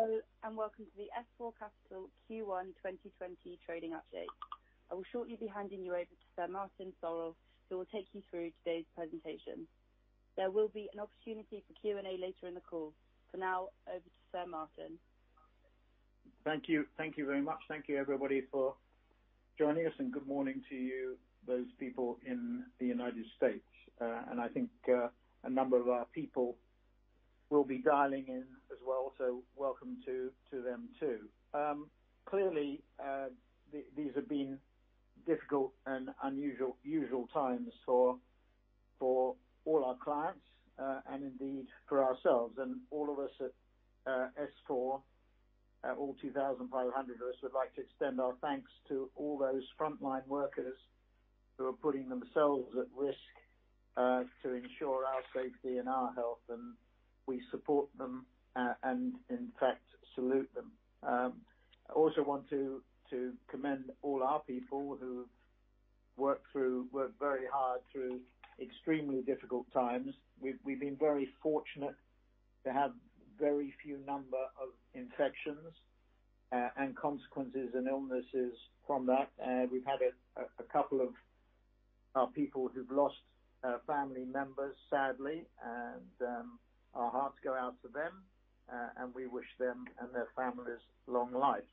Hello, and welcome to the S4 Capital Q1 2020 trading update. I will shortly be handing you over to Sir Martin Sorrell, who will take you through today's presentation. There will be an opportunity for Q&A later in the call. For now, over to Sir Martin. Thank you very much. Thank you everybody for joining us, and good morning to you, those people in the United States. I think a number of our people will be dialing in as well, so welcome to them, too. Clearly, these have been difficult and unusual times for all our clients and indeed for ourselves. All of us at S4, all 2,500 of us, would like to extend our thanks to all those frontline workers who are putting themselves at risk to ensure our safety and our health. We support them, and in fact, salute them. I also want to commend all our people who worked very hard through extremely difficult times. We've been very fortunate to have very few number of infections and consequences and illnesses from that. We've had a couple of our people who've lost family members, sadly, and our hearts go out to them. We wish them and their families long life.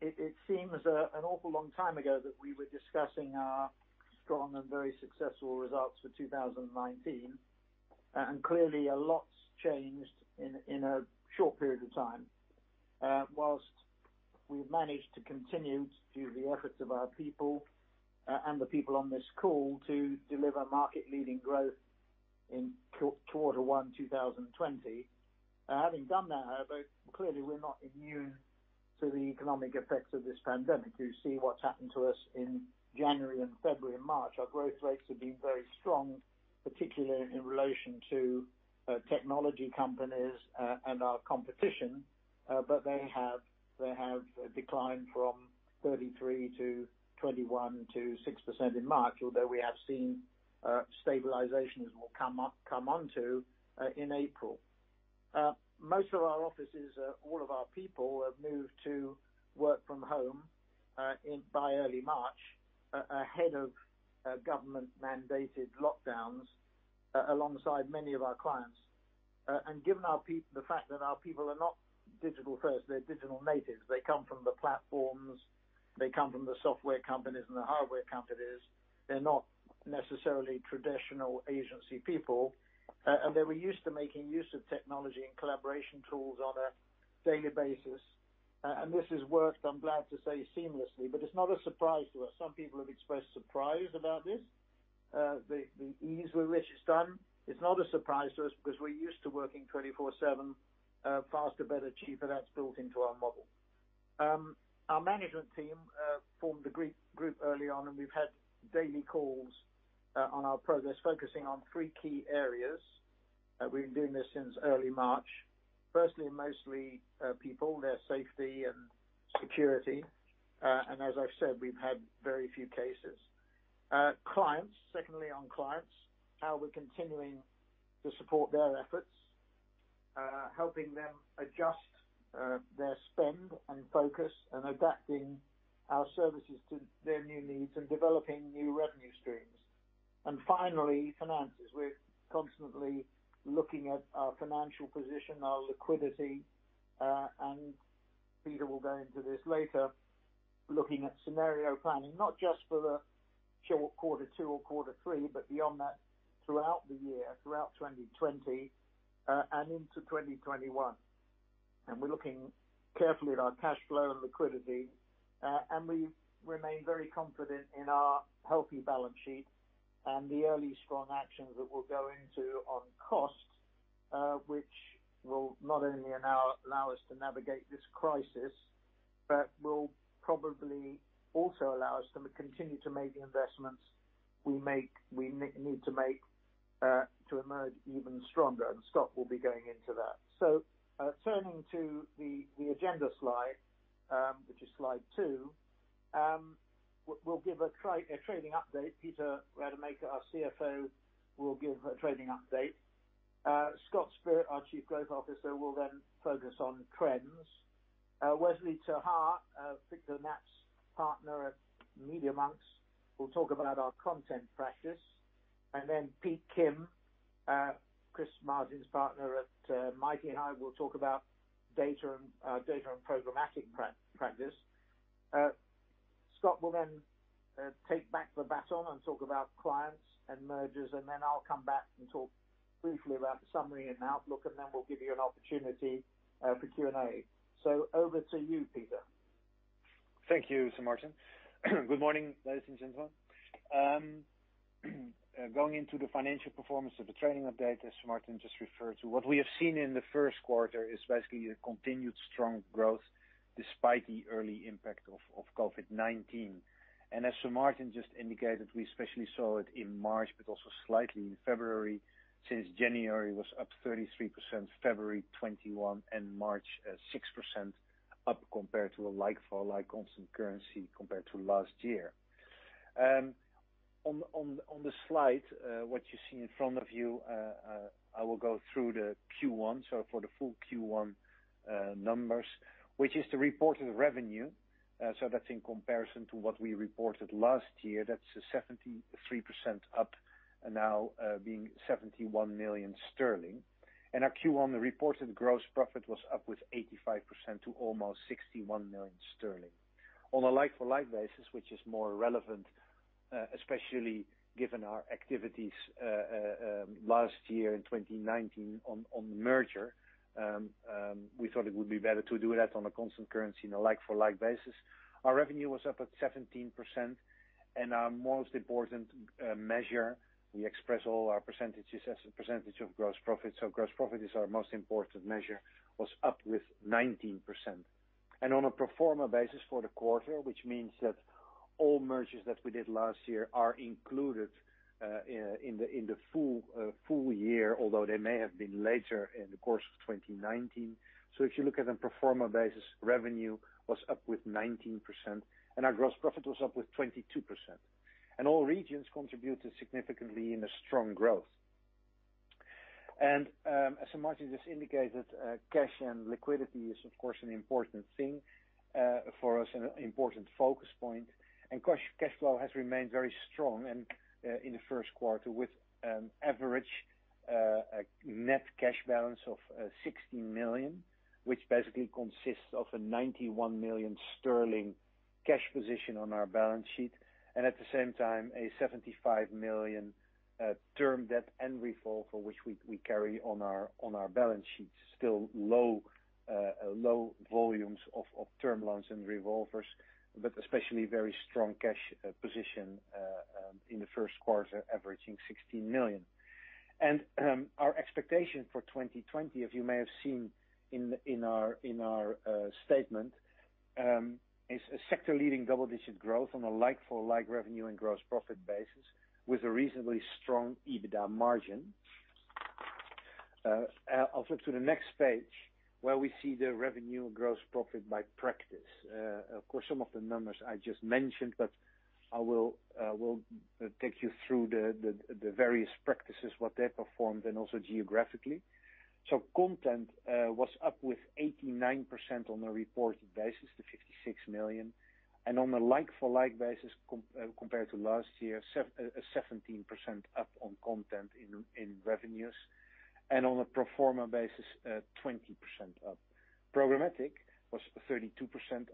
It seems an awful long time ago that we were discussing our strong and very successful results for 2019. Clearly a lot's changed in a short period of time. While we've managed to continue through the efforts of our people, and the people on this call, to deliver market leading growth in quarter one 2020. Having done that, however, clearly we're not immune to the economic effects of this pandemic. You see what's happened to us in January and February and March. Our growth rates have been very strong, particularly in relation to technology companies and our competition. They have declined from 33% to 21% to 6% in March, although we have seen stabilizations we'll come onto in April. Most of our offices, all of our people have moved to work from home by early March, ahead of government mandated lockdowns, alongside many of our clients. Given the fact that our people are not digital first, they're digital natives, they come from the platforms, they come from the software companies and the hardware companies. They're not necessarily traditional agency people. They were used to making use of technology and collaboration tools on a daily basis. This has worked, I'm glad to say, seamlessly, but it's not a surprise to us. Some people have expressed surprise about this, the ease with which it's done. It's not a surprise to us because we're used to working 24/7, faster, better, cheaper, that's built into our model. Our management team formed a group early on, and we've had daily calls on our progress, focusing on three key areas. We've been doing this since early March. Firstly, mostly, people, their safety and security. As I've said, we've had very few cases. Clients. Secondly on clients, how we're continuing to support their efforts. Helping them adjust their spend and focus, adapting our services to their new needs and developing new revenue streams. Finally, finances. We're constantly looking at our financial position, our liquidity, and Peter will go into this later, looking at scenario planning, not just for Q2 or Q3, but beyond that throughout the year, throughout 2020, and into 2021. We're looking carefully at our cash flow and liquidity. We remain very confident in our healthy balance sheet and the early strong actions that we'll go into on costs, which will not only allow us to navigate this crisis, but will probably also allow us to continue to make the investments we need to make, to emerge even stronger. Scott will be going into that. Turning to the agenda slide, which is slide two. We'll give a trading update. Peter Rademaker, our CFO, will give a trading update. Scott Spirit, our Chief Growth Officer, will then focus on trends. Wesley ter Haar, Victor Knaap's partner at MediaMonks, will talk about our content practice. Pete Kim, Chris Martin's partner at MightyHive, will talk about data and programmatic practice. Scott will then take back the baton and talk about clients and mergers, and then I'll come back and talk briefly about the summary and outlook, and then we'll give you an opportunity for Q&A. Over to you, Peter. Thank you, Sir Martin. Good morning, ladies and gentlemen. Going into the financial performance of the trading update as Sir Martin just referred to. What we have seen in the first quarter is basically a continued strong growth despite the early impact of COVID-19. As Sir Martin just indicated, we especially saw it in March, but also slightly in February, since January was up 33%, February 21%, and March 6% up compared to a like-for-like constant currency compared to last year. On the slide, what you see in front of you, I will go through the Q1, so for the full Q1 numbers, which is the reported revenue. That's in comparison to what we reported last year. That's 73% up now being 71 million sterling. Our Q1 reported gross profit was up with 85% to almost 61 million sterling. On a like-for-like basis, which is more relevant, especially given our activities last year in 2019 on the merger, we thought it would be better to do that on a constant currency and a like-for-like basis. Our revenue was up at 17%. Our most important measure, we express all our percentages as a percentage of gross profit, so gross profit is our most important measure, was up with 19%. On a pro forma basis for the quarter, which means that all mergers that we did last year are included in the full year, although they may have been later in the course of 2019. If you look at a pro forma basis, revenue was up with 19% and our gross profit was up with 22%. All regions contributed significantly in a strong growth. As Martin just indicated, cash and liquidity is, of course, an important thing for us and an important focus point. Cash flow has remained very strong in the first quarter with average net cash balance of 16 million, which basically consists of a 91 million sterling cash position on our balance sheet. At the same time, a 75 million term debt and revolver, which we carry on our balance sheet. Still low volumes of term loans and revolvers, especially very strong cash position in the first quarter, averaging 16 million. Our expectation for 2020, if you may have seen in our statement, is a sector-leading double-digit growth on a like-for-like revenue and gross profit basis with a reasonably strong EBITDA margin. I'll flip to the next page where we see the revenue gross profit by practice. I will take you through the various practices, what they performed, and also geographically. Content was up with 89% on a reported basis to 56 million. On a like-for-like basis compared to last year, a 17% up on content in revenues, and on a pro forma basis, 20% up. Programmatic was 32%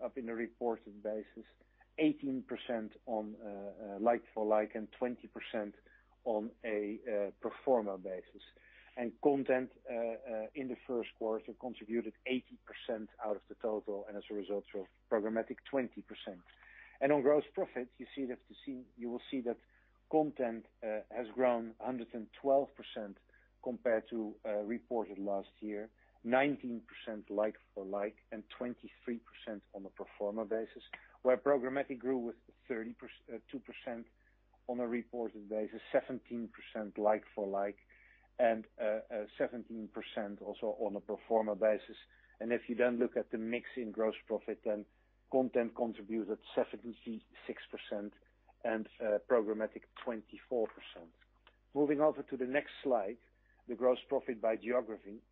up in a reported basis, 18% on like-for-like, and 20% on a pro forma basis. Content in the first quarter contributed 80% out of the total, and as a result, programmatic 20%. On gross profit, you will see that content has grown 112% compared to reported last year, 19% like-for-like, and 23% on a pro forma basis. Where programmatic grew with 32% on a reported basis, 17% like-for-like, and 17% also on a pro forma basis. If you look at the mix in gross profit, content contributed 76% and programmatic 24%. Moving over to the next slide, the gross profit by geography.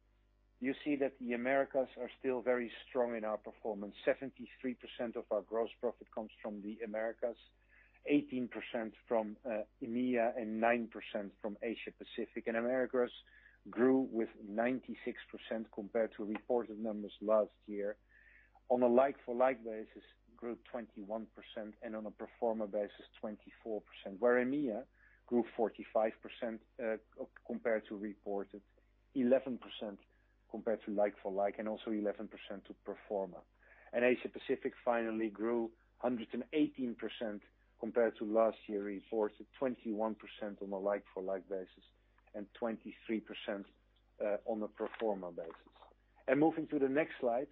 You see that the Americas are still very strong in our performance. 73% of our gross profit comes from the Americas, 18% from EMEA, and 9% from Asia Pacific. Americas grew with 96% compared to reported numbers last year. On a like-for-like basis, grew 21%, and on a pro forma basis, 24%. EMEA grew 45% compared to reported, 11% compared to like-for-like, and also 11% to pro forma. Asia Pacific finally grew 118% compared to last year reported, 21% on a like-for-like basis, and 23% on a pro forma basis. Moving to the next slide.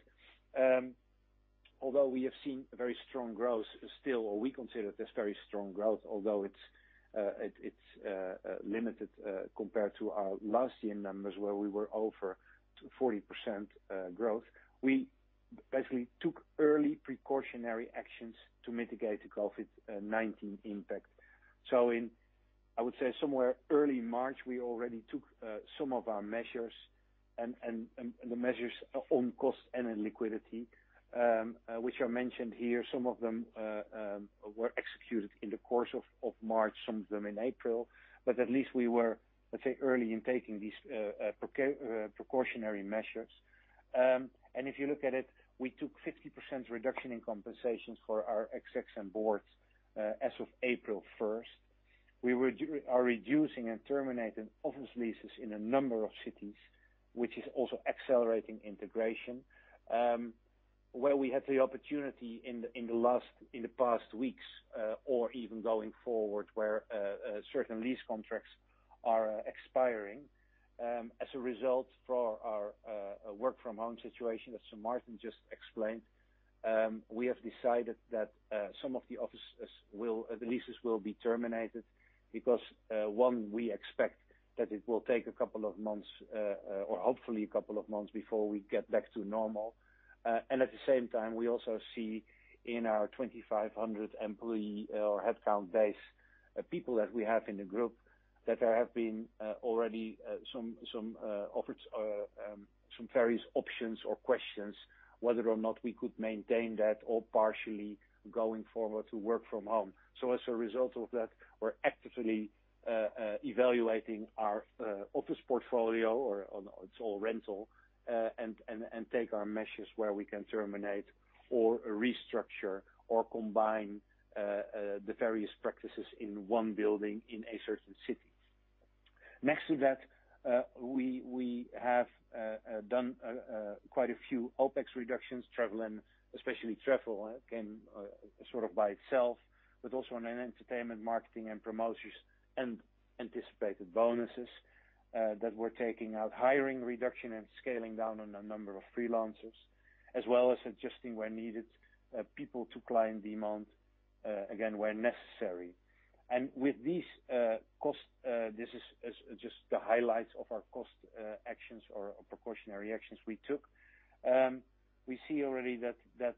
Although we have seen very strong growth still, or we consider this very strong growth, although it's limited compared to our last year numbers where we were over 40% growth. We basically took early precautionary actions to mitigate the COVID-19 impact. In, I would say somewhere early March, we already took some of our measures and the measures on cost and in liquidity, which are mentioned here. Some of them were executed in the course of March, some of them in April. At least we were, let's say, early in taking these precautionary measures. If you look at it, we took 50% reduction in compensations for our execs and boards as of April 1st. We are reducing and terminating office leases in a number of cities, which is also accelerating integration. Where we had the opportunity in the past weeks or even going forward where certain lease contracts are expiring. As a result for our work from home situation, as Martin just explained, we have decided that some of the leases will be terminated because, one, we expect that it will take a couple of months or hopefully a couple of months before we get back to normal. At the same time, we also see in our 2,500 employee or headcount base, the people that we have in the group that there have been already some various options or questions whether or not we could maintain that or partially going forward to work from home. As a result of that, we're actively evaluating our office portfolio, it's all rental, and take our measures where we can terminate or restructure or combine the various practices in one building in a certain city. Next to that, we have done quite a few OpEx reductions, especially travel, came sort of by itself, but also on entertainment, marketing, and promotions, and anticipated bonuses that we're taking out. Hiring reduction and scaling down on a number of freelancers, as well as adjusting where needed, people to client demand, again, where necessary. With these costs, this is just the highlights of our cost actions or precautionary actions we took. We see already that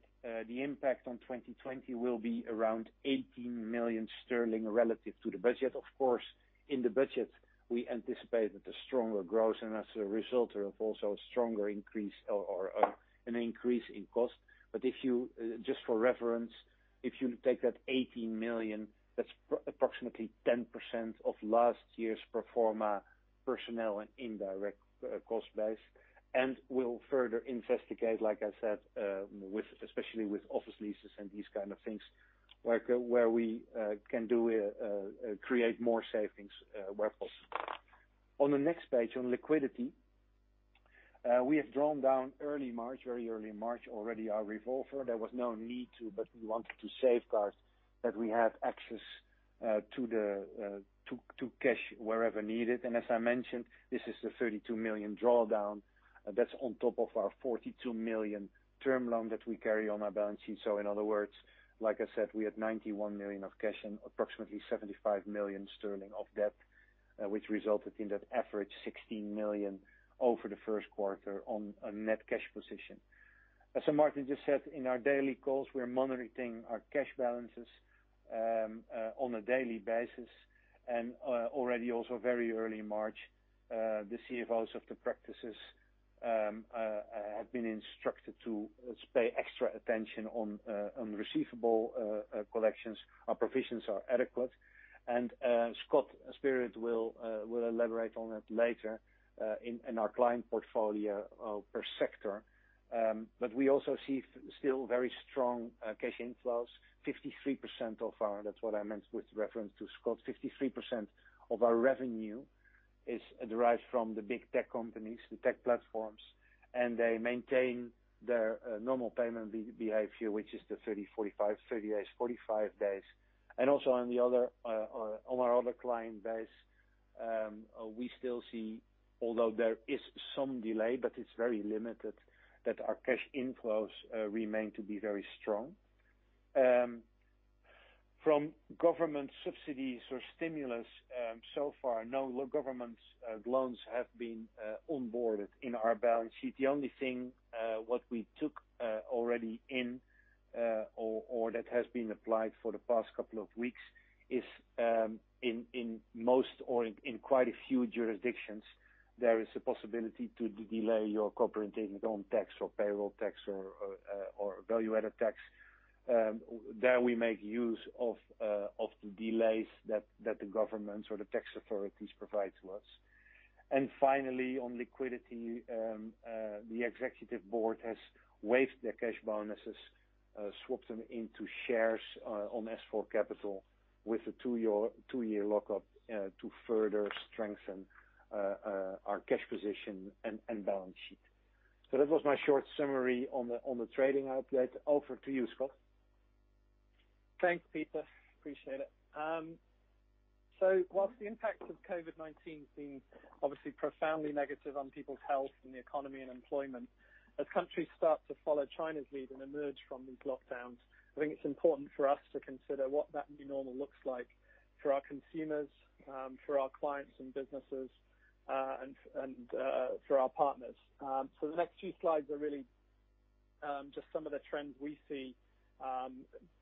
the impact on 2020 will be around 18 million sterling relative to the budget. In the budget, we anticipate that the stronger growth and as a result of also a stronger increase or an increase in cost. Just for reference, if you take that 18 million, that's approximately 10% of last year's pro forma personnel and indirect cost base, and we'll further investigate, like I said, especially with office leases and these kind of things, where we can create more savings where possible. On the next page, on liquidity. We have drawn down early March, very early in March already our revolver. There was no need to, but we wanted to safeguard that we have access to cash wherever needed. As I mentioned, this is the 32 million drawdown that's on top of our 42 million term loan that we carry on our balance sheet. In other words, like I said, we had 91 million of cash and approximately 75 million sterling of debt, which resulted in that average 16 million over the first quarter on a net cash position. As Martin just said, in our daily calls, we're monitoring our cash balances on a daily basis. Already also very early in March, the CFOs of the practices have been instructed to pay extra attention on receivable collections. Our provisions are adequate, and Scott Spirit will elaborate on it later in our client portfolio per sector. We also see still very strong cash inflows, that's what I meant with reference to Scott, 53% of our revenue is derived from the big tech companies, the tech platforms, and they maintain their normal payment behavior, which is the 30-days, 45-days. Also on our other client base, we still see, although there is some delay, but it's very limited, that our cash inflows remain to be very strong. From government subsidies or stimulus, so far, no government loans have been onboarded in our balance sheet. The only thing what we took already in or that has been applied for the past couple of weeks is, in most or in quite a few jurisdictions, there is a possibility to delay your corporate income tax or payroll tax or value-added tax. There we make use of the delays that the government or the tax authorities provide to us. Finally, on liquidity, the executive board has waived their cash bonuses, swapped them into shares on S4 Capital with a two year lockup to further strengthen our cash position and balance sheet. That was my short summary on the trading update. Over to you, Scott. Thanks, Peter. Appreciate it. While the impact of COVID-19 has been obviously profoundly negative on people's health and the economy and employment, as countries start to follow China's lead and emerge from these lockdowns, I think it's important for us to consider what that new normal looks like for our consumers, for our clients and businesses, and for our partners. The next few slides are really just some of the trends we see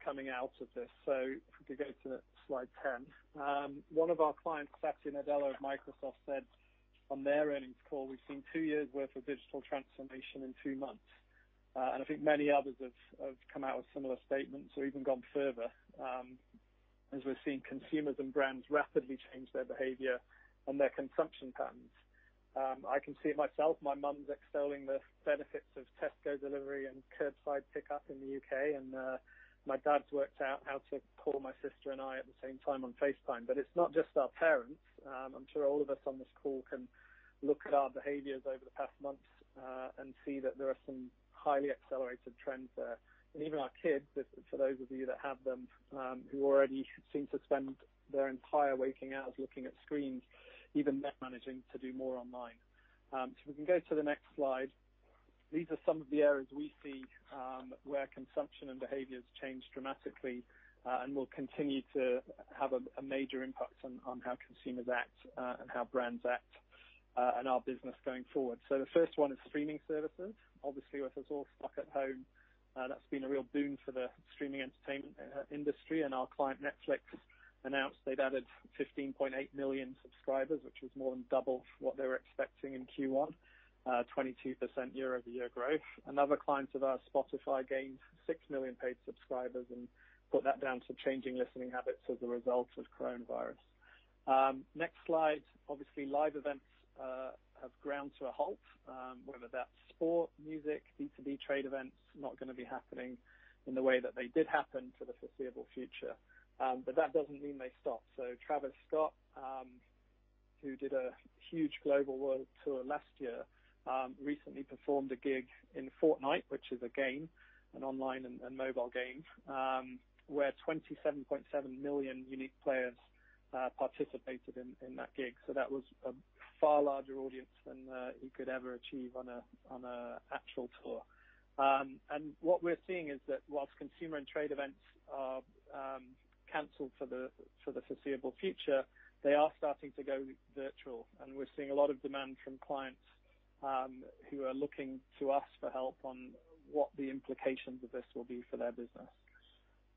coming out of this. If we could go to slide 10. One of our clients, Satya Nadella of Microsoft, said on their earnings call, "We've seen two years' worth of digital transformation in two months." I think many others have come out with similar statements or even gone further as we're seeing consumers and brands rapidly change their behavior and their consumption patterns. I can see it myself, my mom's extolling the benefits of Tesco delivery and curbside pickup in the U.K., and my dad's worked out how to call my sister and I at the same time on FaceTime. it's not just our parents. I'm sure all of us on this call can look at our behaviors over the past months and see that there are some highly accelerated trends there. even our kids, for those of you that have them, who already seem to spend their entire waking hours looking at screens, even they're managing to do more online. We can go to the next slide. These are some of the areas we see where consumption and behaviors change dramatically and will continue to have a major impact on how consumers act and how brands act. Our business going forward. the first one is streaming services. Obviously, with us all stuck at home, that's been a real boon for the streaming entertainment industry. Our client, Netflix, announced they'd added 15.8 million subscribers, which was more than double what they were expecting in Q1, 22% year-over-year growth. Another client of ours, Spotify, gained 6 million paid subscribers and put that down to changing listening habits as a result of coronavirus. Next slide. Obviously, live events have ground to a halt, whether that's sport, music, B2B trade events, not going to be happening in the way that they did happen for the foreseeable future. That doesn't mean they stop. Travis Scott, who did a huge global world tour last year, recently performed a gig in Fortnite, which is a game, an online and mobile game, where 27.7 million unique players participated in that gig. That was a far larger audience than he could ever achieve on an actual tour. What we're seeing is that while consumer and trade events are canceled for the foreseeable future, they are starting to go virtual, and we're seeing a lot of demand from clients who are looking to us for help on what the implications of this will be for their business.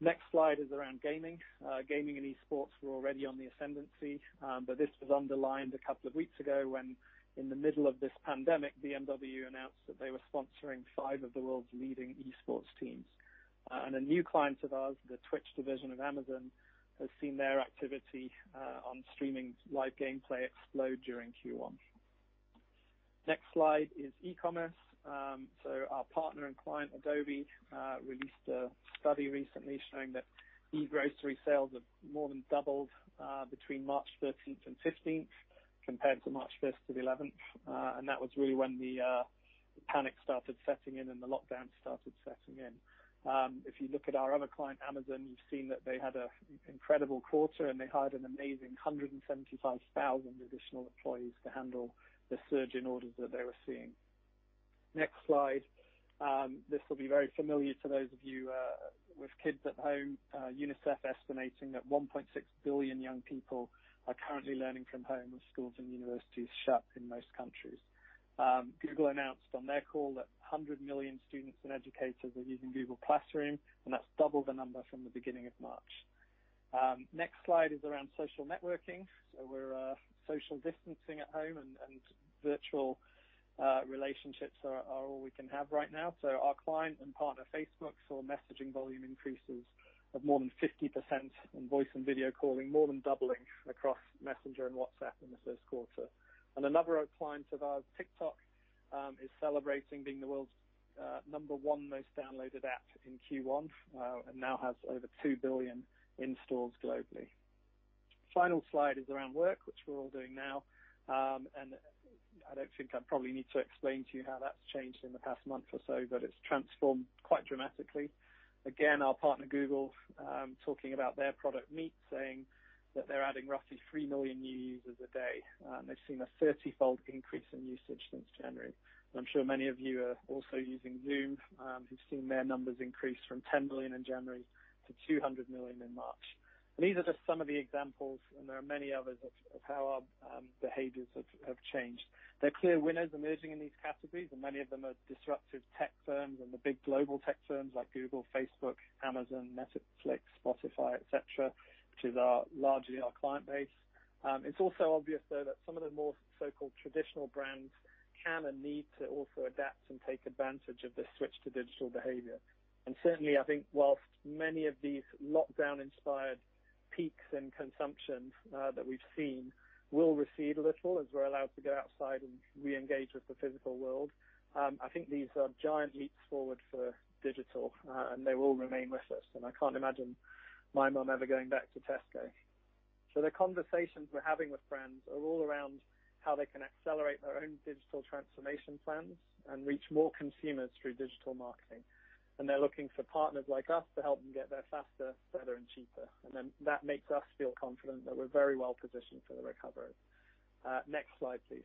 Next slide is around gaming. Gaming and esports were already on the ascendancy, but this was underlined a couple of weeks ago when, in the middle of this pandemic, BMW announced that they were sponsoring five of the world's leading esports teams. A new client of ours, the Twitch division of Amazon, has seen their activity on streaming live gameplay explode during Q1. Next slide is e-commerce. Our partner and client, Adobe, released a study recently showing that e-grocery sales have more than doubled between March 13th and 15th, compared to March 5th to the 11th, and that was really when the panic started setting in and the lockdown started setting in. If you look at our other client, Amazon, you've seen that they had an incredible quarter, and they hired an amazing 175,000 additional employees to handle the surge in orders that they were seeing. Next slide. This will be very familiar to those of you with kids at home. UNICEF estimating that 1.6 billion young people are currently learning from home with schools and universities shut in most countries. Google announced on their call that 100 million students and educators are using Google Classroom, and that's double the number from the beginning of March. Next slide is around social networking. We're social distancing at home and virtual relationships are all we can have right now. Our client and partner, Facebook, saw messaging volume increases of more than 50% in voice and video calling, more than doubling across Messenger and WhatsApp in the first quarter. Another client of ours, TikTok, is celebrating being the world's number one most downloaded app in Q1, and now has over 2 billion installs globally. Final slide is around work, which we're all doing now. I don't think I probably need to explain to you how that's changed in the past month or so, but it's transformed quite dramatically. Again, our partner Google, talking about their product Meet, saying that they're adding roughly 3 million new users a day. They've seen a 30-fold increase in usage since January. I'm sure many of you are also using Zoom, who've seen their numbers increase from 10 million in January to 200 million in March. These are just some of the examples, and there are many others, of how our behaviors have changed. There are clear winners emerging in these categories, and many of them are disruptive tech firms and the big global tech firms like Google, Facebook, Amazon, Netflix, Spotify, et cetera, which is largely our client base. It's also obvious, though, that some of the more so-called traditional brands can and need to also adapt and take advantage of this switch to digital behavior. Certainly, I think while many of these lockdown-inspired peaks in consumption that we've seen will recede a little as we're allowed to go outside and reengage with the physical world, I think these are giant leaps forward for digital, and they will remain with us. I can't imagine my mom ever going back to Tesco. The conversations we're having with friends are all around how they can accelerate their own digital transformation plans and reach more consumers through digital marketing. They're looking for partners like us to help them get there faster, better, and cheaper. That makes us feel confident that we're very well positioned for the recovery. Next slide, please.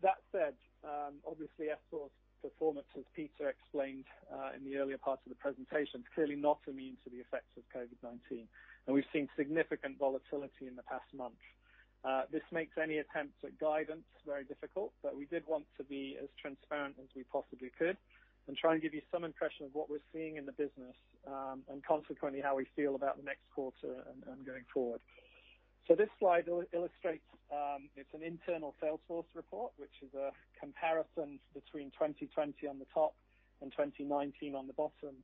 That said, obviously, S4's performance, as Peter explained in the earlier part of the presentation, is clearly not immune to the effects of COVID-19. We've seen significant volatility in the past month. This makes any attempts at guidance very difficult, but we did want to be as transparent as we possibly could and try and give you some impression of what we're seeing in the business, and consequently, how we feel about the next quarter and going forward. This slide illustrates, it's an internal Salesforce report, which is a comparison between 2020 on the top and 2019 on the bottom.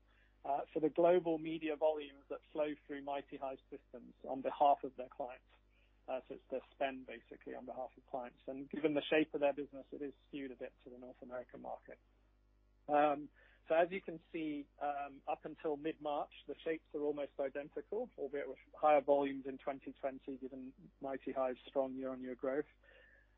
For the global media volumes that flow through MightyHive systems on behalf of their clients. It's their spend basically on behalf of clients. Given the shape of their business, it is skewed a bit to the North American market. As you can see, up until mid-March, the shapes are almost identical, albeit with higher volumes in 2020, given MightyHive's strong year-on-year growth.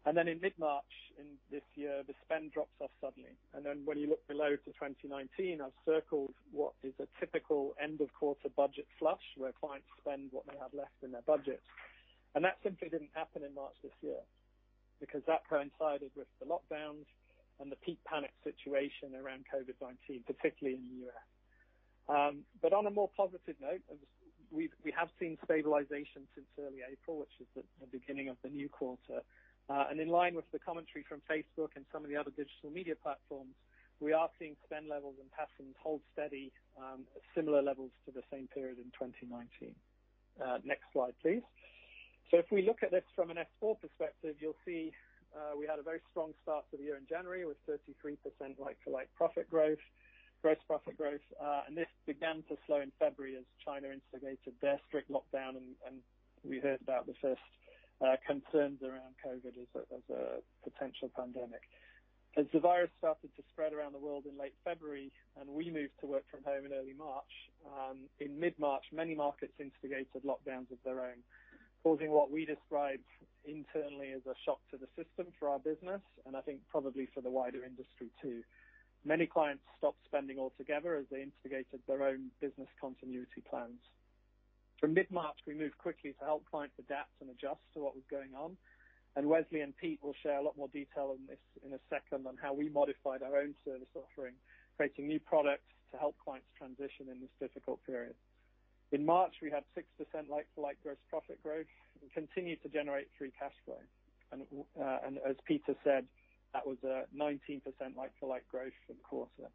In mid-March in this year, the spend drops off suddenly. When you look below to 2019, I've circled what is a typical end-of-quarter budget flush where clients spend what they have left in their budget. That simply didn't happen in March this year, because that coincided with the lockdowns and the peak panic situation around COVID-19, particularly in the U.S. On a more positive note, we have seen stabilization since early April, which is the beginning of the new quarter. In line with the commentary from Facebook and some of the other digital media platforms, we are seeing spend levels and patterns hold steady, similar levels to the same period in 2019. Next slide, please. If we look at this from an S4 perspective, you'll see we had a very strong start to the year in January with 33% like-for-like profit growth, gross profit growth. This began to slow in February as China instigated their strict lockdown, and we heard about the first concerns around COVID as a potential pandemic. As the virus started to spread around the world in late February, and we moved to work from home in early March, in mid-March, many markets instigated lockdowns of their own, causing what we describe internally as a shock to the system for our business, and I think probably for the wider industry too. Many clients stopped spending altogether as they instigated their own business continuity plans. From mid-March, we moved quickly to help clients adapt and adjust to what was going on, and Wesley and Pete will share a lot more detail on this in a second on how we modified our own service offering, creating new products to help clients transition in this difficult period. In March, we had 6% like-for-like gross profit growth and continued to generate free cash flow. As Peter said, that was a 19% like-for-like growth for the quarter.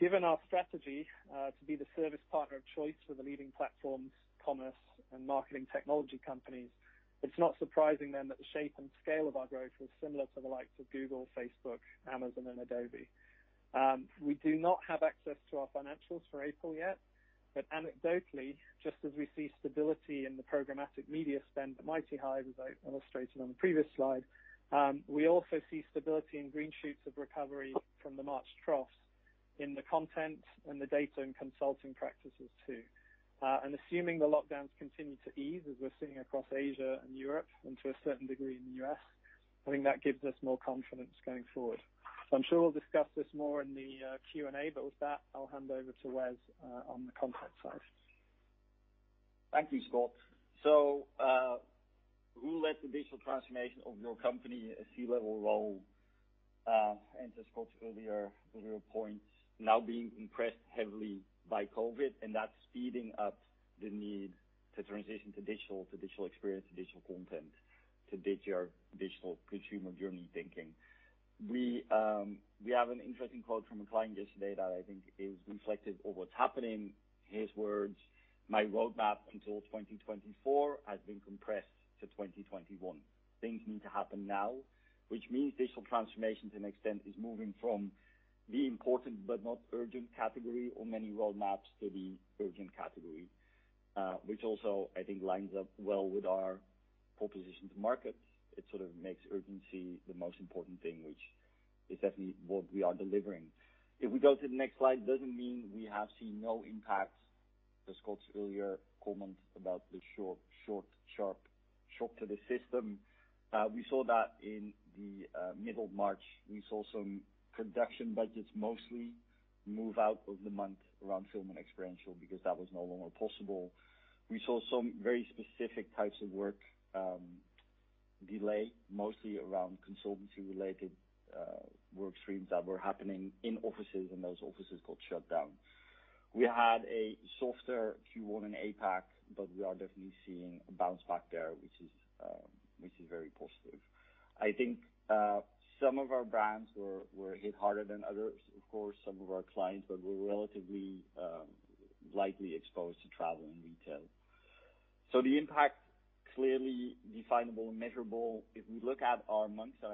Given our strategy to be the service partner of choice for the leading platforms, commerce, and marketing technology companies, it's not surprising then that the shape and scale of our growth was similar to the likes of Google, Facebook, Amazon, and Adobe. We do not have access to our financials for April yet, but anecdotally, just as we see stability in the programmatic media spend at MightyHive, as I illustrated on the previous slide, we also see stability and green shoots of recovery from the March trough in the content and the data and consulting practices too. Assuming the lockdowns continue to ease as we're seeing across Asia and Europe, and to a certain degree in the U.S., I think that gives us more confidence going forward. I'm sure we'll discuss this more in the Q&A, but with that, I'll hand over to Wes on the content side. Thank you, Scott. Who led the digital transformation of your company? C-level role. To Scott's earlier points, now being impacted heavily by COVID, and that's speeding up the need to transition to digital, to digital experience, to digital content, to digital consumer journey thinking. We have an interesting quote from a client yesterday that I think is reflective of what's happening. His words, "My roadmap until 2024 has been compressed to 2021." Things need to happen now, which means digital transformation to an extent is moving from the important but not urgent category on many roadmaps to the urgent category, which also, I think, lines up well with our proposition to market. It sort of makes urgency the most important thing, which is definitely what we are delivering. If we go to the next slide, doesn't mean we have seen no impact. To Scott's earlier comment about the short, sharp shock to the system, we saw that in the middle of March. We saw some production budgets mostly move out of the month around film and experiential because that was no longer possible. We saw some very specific types of work delay, mostly around consultancy-related work streams that were happening in offices and those offices got shut down. We had a softer Q1 in APAC, but we are definitely seeing a bounce back there, which is very positive. I think some of our brands were hit harder than others, of course, some of our clients, but we're relatively lightly exposed to travel and retail. The impact, clearly definable and measurable. If we look at our months, and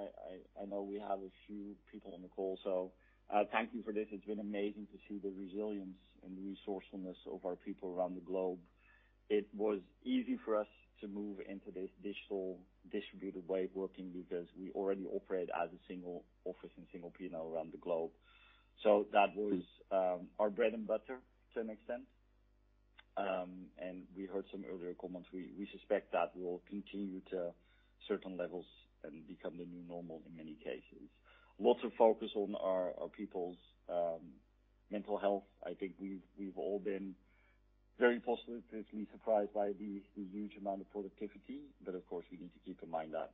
I know we have a few people on the call, so thank you for this. It's been amazing to see the resilience and resourcefulness of our people around the globe. It was easy for us to move into this digital distributed way of working because we already operate as a single office and single P&L around the globe. That was our bread and butter to an extent. We heard some earlier comments. We suspect that will continue to certain levels and become the new normal in many cases. Lots of focus on our people's mental health. I think we've all been very positively surprised by the huge amount of productivity. Of course, we need to keep in mind that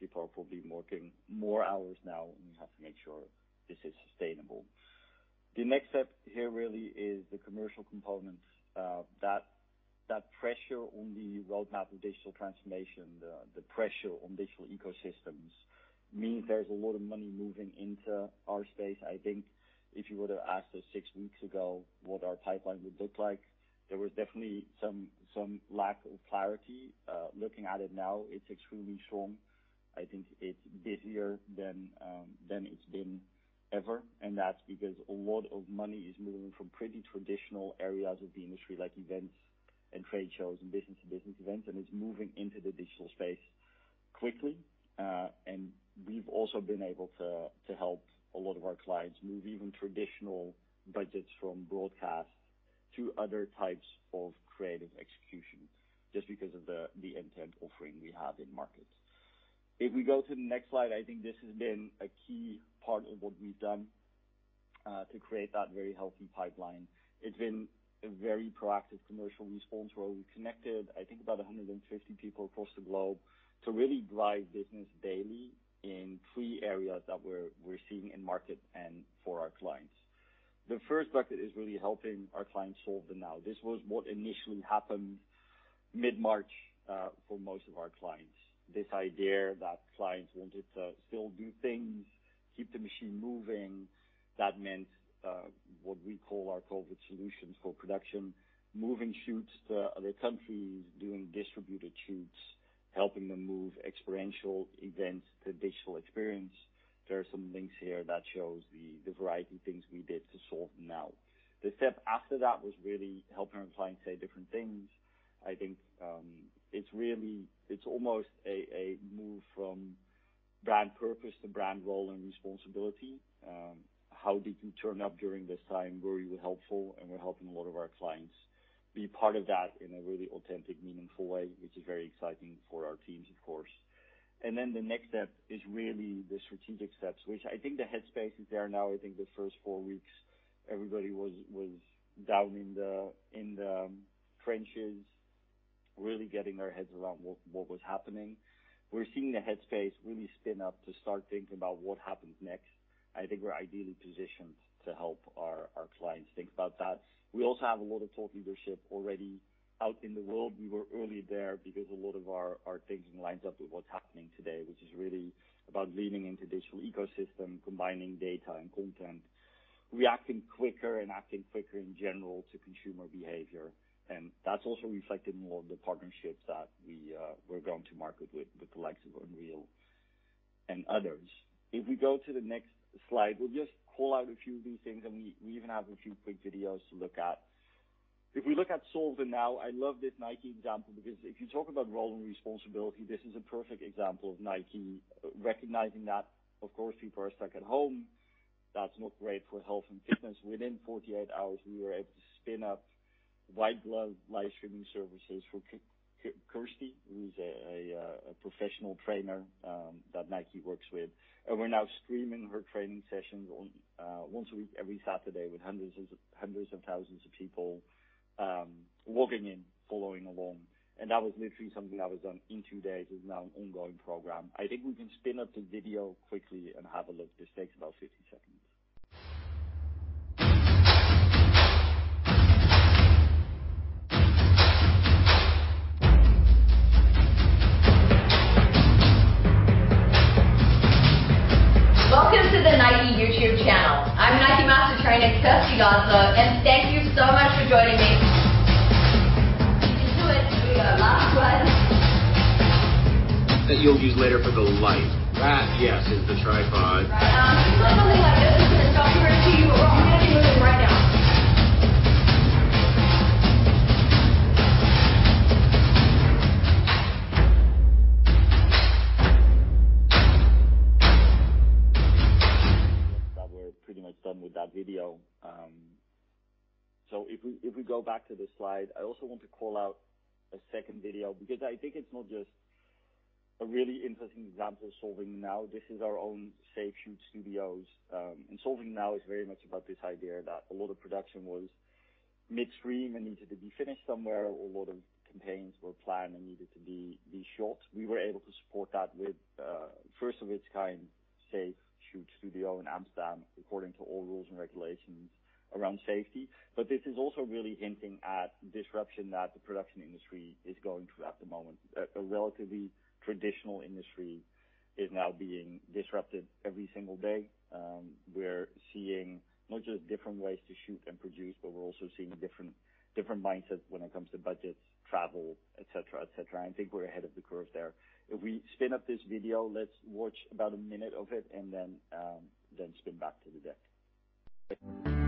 people are probably working more hours now, and we have to make sure this is sustainable. The next step here really is the commercial component. That pressure on the roadmap of digital transformation, the pressure on digital ecosystems, means there's a lot of money moving into our space. I think if you would have asked us six weeks ago what our pipeline would look like, there was definitely some lack of clarity. Looking at it now, it's extremely strong. I think it's busier than it's been ever, and that's because a lot of money is moving from pretty traditional areas of the industry, like events and trade shows and business to business events, and it's moving into the digital space quickly. We've also been able to help a lot of our clients move even traditional budgets from broadcast to other types of creative execution, just because of the intent offering we have in markets. We go to the next slide, I think this has been a key part of what we've done, to create that very healthy pipeline. It's been a very proactive commercial response where we connected, I think, about 150 people across the globe to really drive business daily in three areas that we're seeing in market and for our clients. The first bucket is really helping our clients solve the now. This was what initially happened mid-March for most of our clients. This idea that clients wanted to still do things, keep the machine moving. That meant what we call our COVID solutions for production, moving shoots to other countries, doing distributed shoots, helping them move experiential events to digital experience. There are some links here that shows the variety of things we did to solve now. The step after that was really helping our clients say different things. I think it's almost a move from brand purpose to brand role and responsibility. How did you turn up during this time? Were you helpful? We're helping a lot of our clients be part of that in a really authentic, meaningful way, which is very exciting for our teams, of course. The next step is really the strategic steps, which I think the headspace is there now. I think the first four weeks, everybody was down in the trenches, really getting their heads around what was happening. We're seeing the headspace really spin up to start thinking about what happens next. I think we're ideally positioned to help our clients think about that. We also have a lot of thought leadership already out in the world. We were early there because a lot of our thinking lines up with what's happening today. Which is really about leaning into digital ecosystem, combining data and content, reacting quicker, and acting quicker in general to consumer behavior. That's also reflected in a lot of the partnerships that we're going to market with the likes of Unreal and others. If we go to the next slide, we'll just call out a few of these things, and we even have a few quick videos to look at. If we look at solving now, I love this Nike example because if you talk about role and responsibility, this is a perfect example of Nike recognizing that, of course, people are stuck at home. That's not great for health and fitness. Within 48 hours, we were able to spin up white glove live streaming services for Kirsty, who's a professional trainer that Nike works with. We're now streaming her training sessions once a week, every Saturday, with hundreds and thousands of people logging in, following along. That was literally something that was done in two days. It's now an ongoing program. I think we can spin up the video quickly and have a look. This takes about 60 seconds. Welcome to the Nike YouTube channel. I'm Nike Master Trainer Kirsty Godso, and thank you so much for joining me. You can do it. Here we go. Last one. That you'll use later for the light. Right. Yes, it's the tripod. Something like this is going to stop you or it's going to cheer you along. You're going to be moving right now. With that, we're pretty much done with that video. If we go back to the slide, I also want to call out a second video because I think it's not just a really interesting example of solving now. This is our own safe shoot studios. Solving now is very much about this idea that a lot of production was mid-stream and needed to be finished somewhere, or a lot of campaigns were planned and needed to be shot. We were able to support that with first of its kind safe shoot studio in Amsterdam, according to all rules and regulations around safety. This is also really hinting at disruption that the production industry is going through at the moment. A relatively traditional industry is now being disrupted every single day. We're seeing not just different ways to shoot and produce, but we're also seeing different mindsets when it comes to budgets, travel, et cetera. I think we're ahead of the curve there. If we spin up this video, let's watch about a minute of it and then spin back to the deck.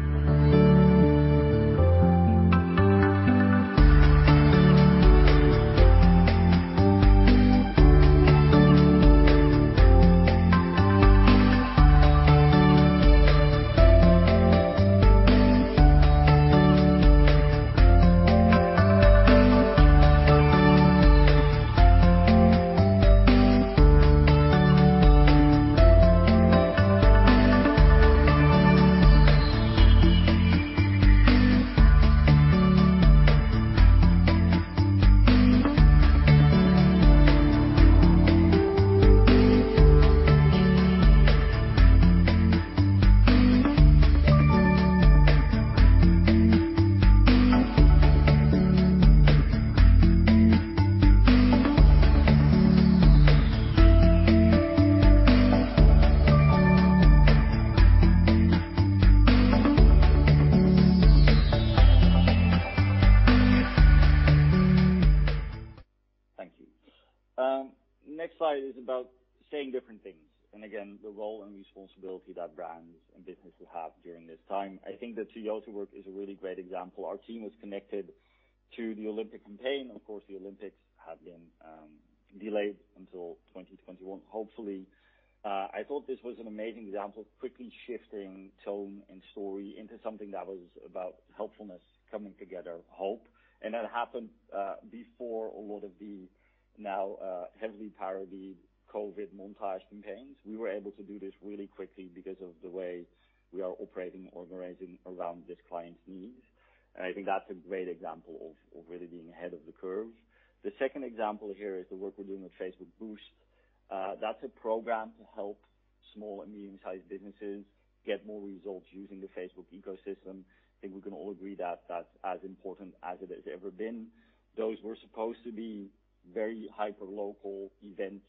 Thank you. Next slide is about saying different things, and again, the role and responsibility that brands and businesses have during this time. I think the Toyota work is a really great example. Our team was connected to the Olympic campaign. Of course, the Olympics have been delayed until 2021, hopefully. I thought this was an amazing example of quickly shifting tone and story into something that was about helpfulness, coming together, hope. That happened before a lot of the now heavily parodied COVID montage campaigns. We were able to do this really quickly because of the way we are operating, organizing around this client's needs. I think that's a great example of really being ahead of the curve. The second example here is the work we're doing with Facebook Boost. That's a program to help small and medium-sized businesses get more results using the Facebook ecosystem. I think we can all agree that's as important as it has ever been. Those were supposed to be very hyper-local events.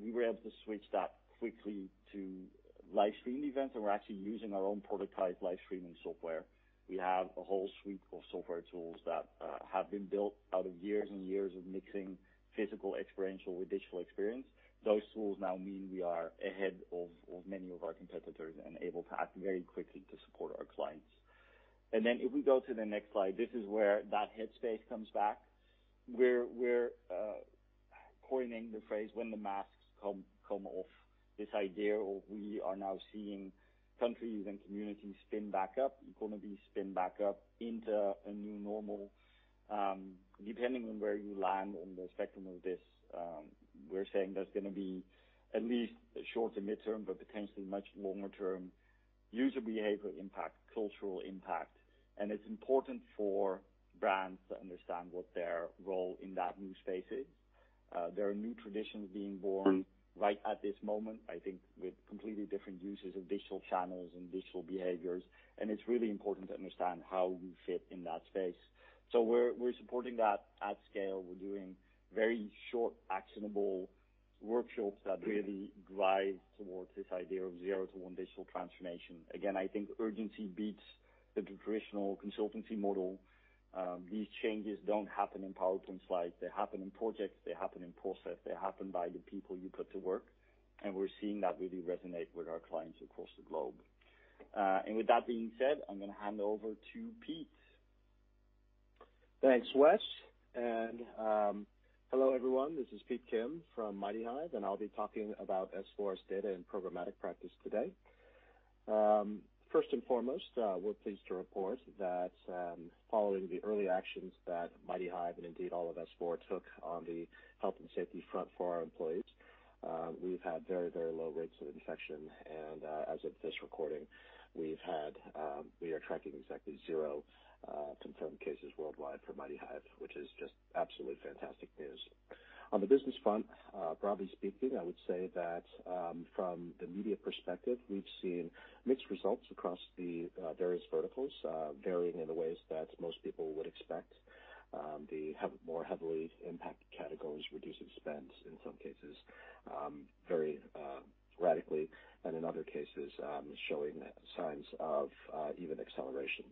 We were able to switch that quickly to live stream events, and we're actually using our own prototyped live streaming software. We have a whole suite of software tools that have been built out of years and years of mixing physical experiential with digital experience. Those tools now mean we are ahead of many of our competitors and able to act very quickly to support our clients. If we go to the next slide, this is where that headspace comes back. We're coining the phrase, "When the masks come off." This idea of we are now seeing countries and communities spin back up, economies spin back up into a new normal. Depending on where you land on the spectrum of this, we're saying there's going to be at least a short to mid-term, but potentially much longer-term user behavior impact, cultural impact. It's important for brands to understand what their role in that new space is. There are new traditions being born right at this moment, I think with completely different uses of digital channels and digital behaviors, and it's really important to understand how we fit in that space. We're supporting that at scale. We're doing very short, actionable workshops that really drive towards this idea of zero to one digital transformation. Again, I think urgency beats the traditional consultancy model. These changes don't happen in PowerPoint slides. They happen in projects, they happen in process, they happen by the people you put to work. We're seeing that really resonate with our clients across the globe. With that being said, I'm going to hand over to Pete. Thanks, Wes. Hello, everyone. This is Pete Kim from MightyHive, and I'll be talking about S4's data and programmatic practice today. First and foremost, we're pleased to report that following the early actions that MightyHive and indeed all of S4 took on the health and safety front for our employees, we've had very, very low rates of infection. As of this recording, we are tracking exactly zero confirmed cases worldwide for MightyHive, which is just absolutely fantastic news. On the business front, broadly speaking, I would say that from the media perspective, we've seen mixed results across the various verticals, varying in the ways that most people would expect. The more heavily impacted categories reduced expense in some cases very radically, and in other cases, showing signs of even acceleration.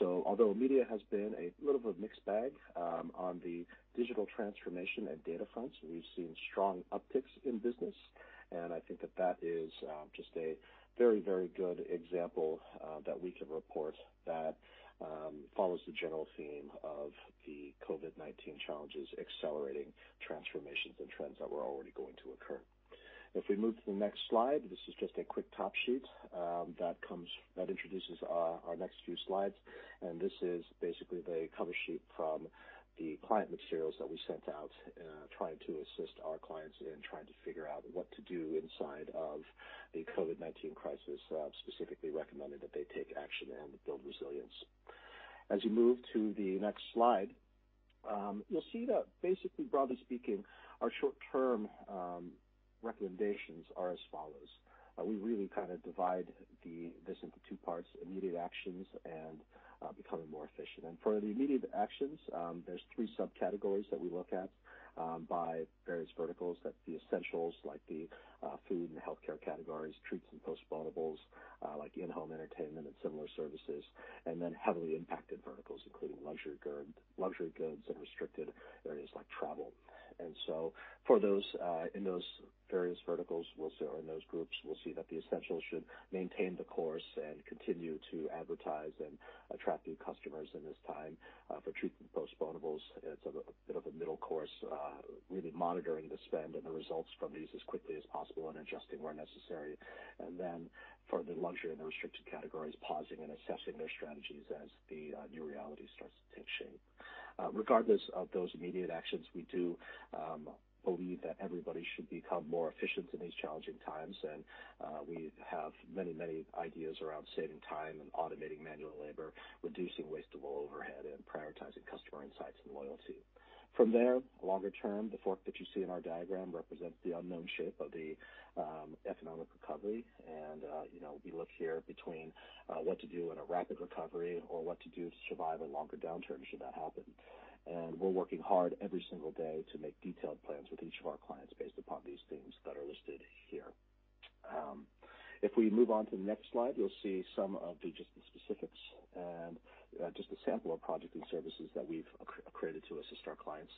Although media has been a little bit of a mixed bag on the digital transformation and data fronts, we've seen strong upticks in business. I think that is just a very, very good example that we can report that follows the general theme of the COVID-19 challenges accelerating transformations and trends that were already going to occur. If we move to the next slide, this is just a quick top sheet that introduces our next few slides. This is basically the cover sheet from the client materials that we sent out trying to assist our clients in trying to figure out what to do inside of the COVID-19 crisis, specifically recommending that they take action and build resilience. As you move to the next slide, you'll see that basically, broadly speaking, our short term recommendations are as follows. We really kind of divide this into two parts, immediate actions and becoming more efficient. for the immediate actions, there's three subcategories that we look at by various verticals that the essentials like the food and healthcare categories, treats and postponables like in-home entertainment and similar services, and then heavily impacted verticals including luxury goods and restricted areas like travel. for those in those various verticals or in those groups, we'll see that the essentials should maintain the course and continue to advertise and attract new customers in this time. For treats and postponables, it's a bit of a middle course, really monitoring the spend and the results from these as quickly as possible and adjusting where necessary. for the luxury and the restricted categories, pausing and assessing their strategies as the new reality starts to take shape. Regardless of those immediate actions, we do believe that everybody should become more efficient in these challenging times. We have many ideas around saving time and automating manual labor, reducing wasteful overhead, and prioritizing customer insights and loyalty. From there, longer term, the fork that you see in our diagram represents the unknown shape of the economic recovery. We look here between what to do in a rapid recovery or what to do to survive a longer downturn should that happen. We're working hard every single day to make detailed plans with each of our clients based upon these things that are listed here. If we move on to the next slide, you'll see some of just the specifics and just a sample of projects and services that we've created to assist our clients.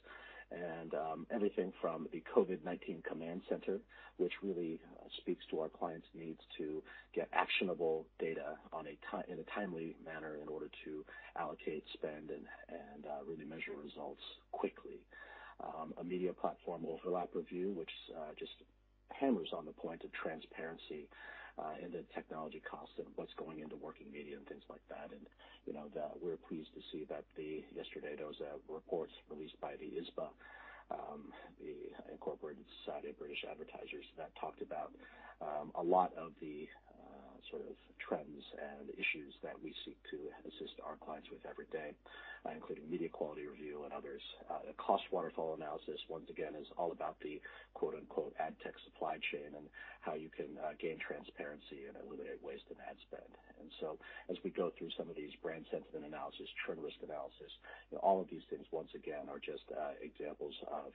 Everything from the COVID-19 command center, which really speaks to our clients' needs to get actionable data in a timely manner in order to allocate spend and really measure results quickly. A media platform overlap review, which just hammers on the point of transparency in the technology costs and what's going into working media and things like that. We're pleased to see that yesterday there was a report released by the ISBA, the Incorporated Society of British Advertisers, that talked about a lot of the sort of trends and issues that we seek to assist our clients with every day, including media quality review and others. Cost waterfall analysis, once again, is all about the "ad tech supply chain" and how you can gain transparency and eliminate waste and ad spend. as we go through some of these brand sentiment analysis, trend risk analysis, all of these things, once again, are just examples of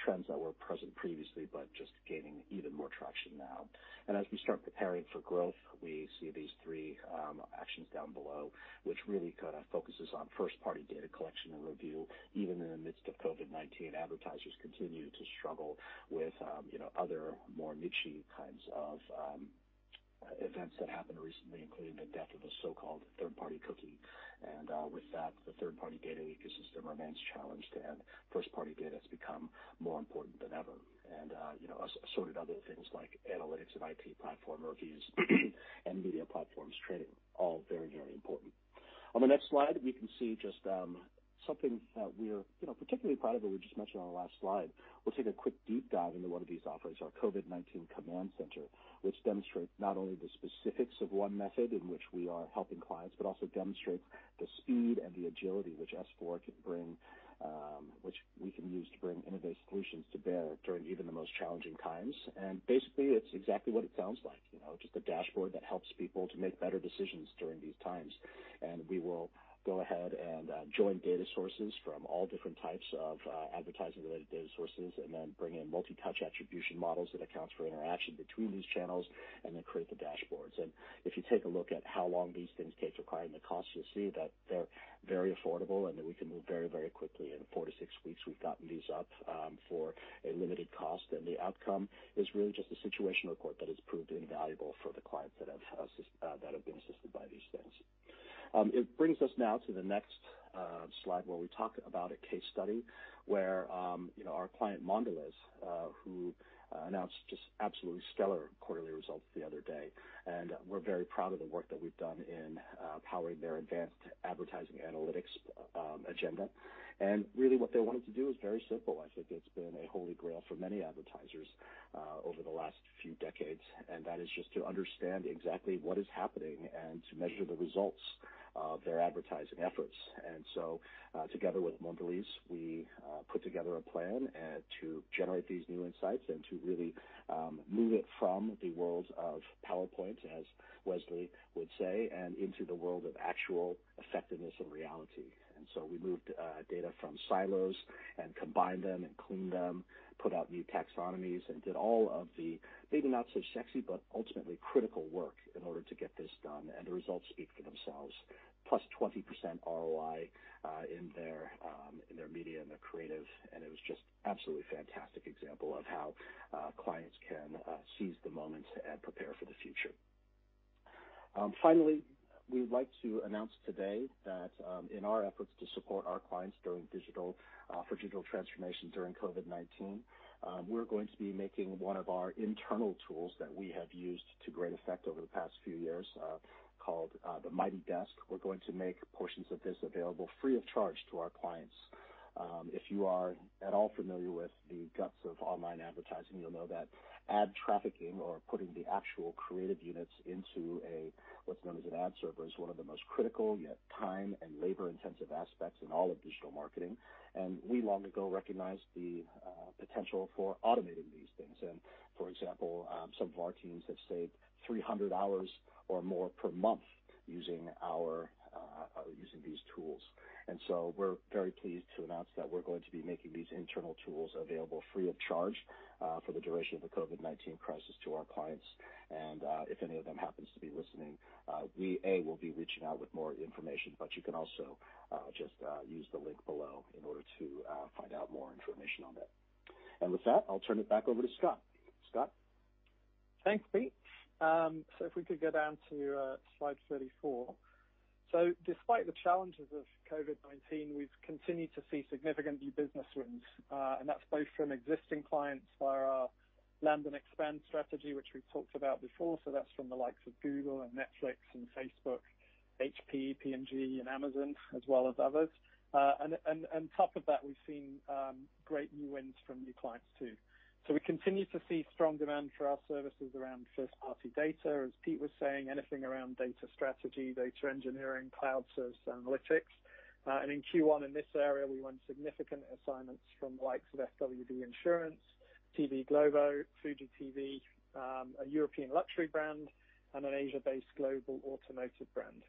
trends that were present previously, but just gaining even more traction now. as we start preparing for growth, we see these three actions down below, which really kind of focuses on first-party data collection and review. Even in the midst of COVID-19, advertisers continue to struggle with other more niche-y kinds of events that happened recently, including the death of the so-called third-party cookie. with that, the third-party data ecosystem remains challenged, and first-party data has become more important than ever. assorted other things like analytics and IP platform reviews and media platforms trading, all very, very important. On the next slide, we can see just something that we're particularly proud of that we just mentioned on our last slide. We'll take a quick deep dive into one of these offerings, our COVID-19 command center, which demonstrates not only the specifics of one method in which we are helping clients, but also demonstrates the speed and the agility which S4 can bring, which we can use to bring innovative solutions to bear during even the most challenging times. Basically, it's exactly what it sounds like, just a dashboard that helps people to make better decisions during these times. We will go ahead and join data sources from all different types of advertising-related data sources and then bring in multi-touch attribution models that accounts for interaction between these channels and then create the dashboards. If you take a look at how long these things take to acquire and the cost, you'll see that they're very affordable and that we can move very, very quickly. In four to six weeks, we've gotten these up for a limited cost, and the outcome is really just a situation report that has proved invaluable for the clients that have been assisted by these things. It brings us now to the next slide, where we talk about a case study where our client, Mondelēz, who announced just absolutely stellar quarterly results the other day, and we're very proud of the work that we've done in powering their advanced advertising analytics agenda. Really what they wanted to do is very simple. I think it's been a holy grail for many advertisers over the last few decades, and that is just to understand exactly what is happening and to measure the results of their advertising efforts. Together with Mondelēz, we put together a plan to generate these new insights and to really move it from the world of PowerPoint, as Wesley would say, and into the world of actual effectiveness and reality. We moved data from silos and combined them and cleaned them, put out new taxonomies, and did all of the maybe not so sexy, but ultimately critical work in order to get this done, and the results speak for themselves. +20% ROI in their media and their creative, and it was just absolutely fantastic example of how clients can seize the moment and prepare for the future. Finally, we'd like to announce today that in our efforts to support our clients for digital transformation during COVID-19, we're going to be making one of our internal tools that we have used to great effect over the past few years, called the MightyDesk. We're going to make portions of this available free of charge to our clients. If you are at all familiar with the guts of online advertising, you'll know that ad trafficking or putting the actual creative units into a, what's known as an ad server, is one of the most critical, yet time and labor-intensive aspects in all of digital marketing. We long ago recognized the potential for automating these things. For example, some of our teams have saved 300 hours or more per month using these tools. we're very pleased to announce that we're going to be making these internal tools available free of charge for the duration of the COVID-19 crisis to our clients. If any of them happens to be listening, we, A, will be reaching out with more information, but you can also just use the link below in order to find out more information on that. With that, I'll turn it back over to Scott. Scott? Thanks, Pete. If we could go down to slide 34. Despite the challenges of COVID-19, we've continued to see significant new business wins, and that's both from existing clients via our land and expand strategy, which we've talked about before. That's from the likes of Google and Netflix and Facebook, HP, P&G, and Amazon, as well as others. On top of that, we've seen great new wins from new clients, too. We continue to see strong demand for our services around first-party data, as Pete was saying, anything around data strategy, data engineering, cloud service analytics. In Q1 in this area, we won significant assignments from the likes of FWD Insurance, TV Globo, Fuji TV, a European luxury brand, and an Asia-based global automotive brand.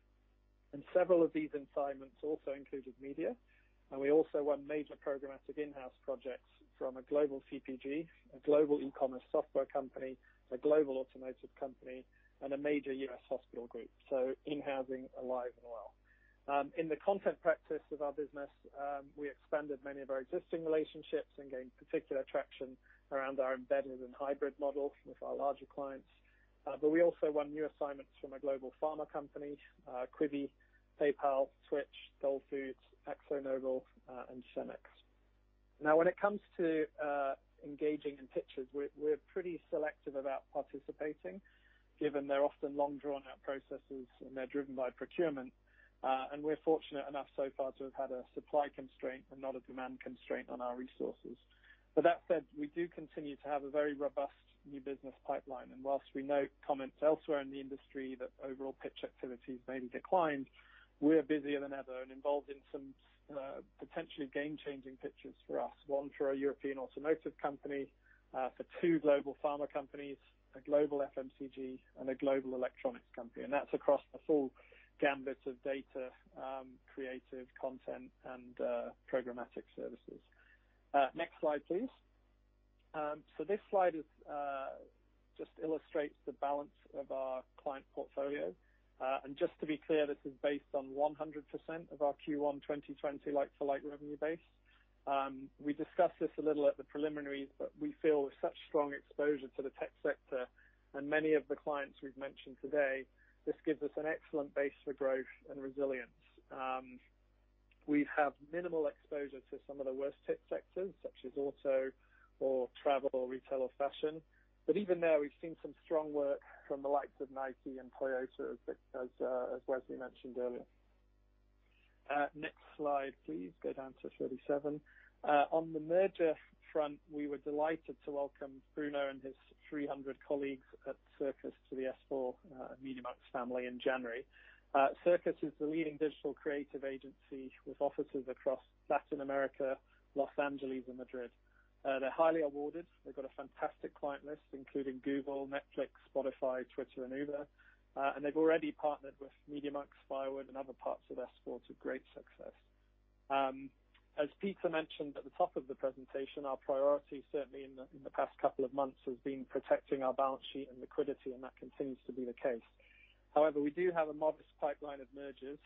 Several of these assignments also included media, and we also won major programmatic in-house projects from a global CPG, a global e-commerce software company, a global automotive company, and a major U.S. hospital group. In-housing, alive and well. In the content practice of our business, we expanded many of our existing relationships and gained particular traction around our embedded and hybrid models with our larger clients. We also won new assignments from a global pharma company, Quibi, PayPal, Twitch, Dole Food, AkzoNobel, and Cemex. Now, when it comes to engaging in pitches, we're pretty selective about participating, given they're often long, drawn-out processes, and they're driven by procurement. We're fortunate enough so far to have had a supply constraint and not a demand constraint on our resources. That said, we do continue to have a very robust new business pipeline. While we note comments elsewhere in the industry that overall pitch activity has maybe declined, we are busier than ever and involved in some potentially game-changing pitches for us. One for a European automotive company, for two global pharma companies, a global FMCG, and a global electronics company. That's across the full gamut of data, creative content, and programmatic services. Next slide, please. This slide just illustrates the balance of our client portfolio. Just to be clear, this is based on 100% of our Q1 2020 like-to-like revenue base. We discussed this a little at the preliminaries, but we feel with such strong exposure to the tech sector and many of the clients we've mentioned today, this gives us an excellent base for growth and resilience. We have minimal exposure to some of the worst hit sectors, such as auto or travel, or retail, or fashion. even there, we've seen some strong work from the likes of Nike and Toyota, as Wesley mentioned earlier. Next slide, please. Go down to 37. On the merger front, we were delighted to welcome Bruno and his 300 colleagues at Circus to the S4 MediaMonks family in January. Circus is the leading digital creative agency with offices across Latin America, Los Angeles, and Madrid. They're highly awarded. They've got a fantastic client list, including Google, Netflix, Spotify, Twitter, and Uber. They've already partnered with MediaMonks, Firewood, and other parts of S4 to great success. As Peter mentioned at the top of the presentation, our priority, certainly in the past couple of months, has been protecting our balance sheet and liquidity, and that continues to be the case. However, we do have a modest pipeline of mergers,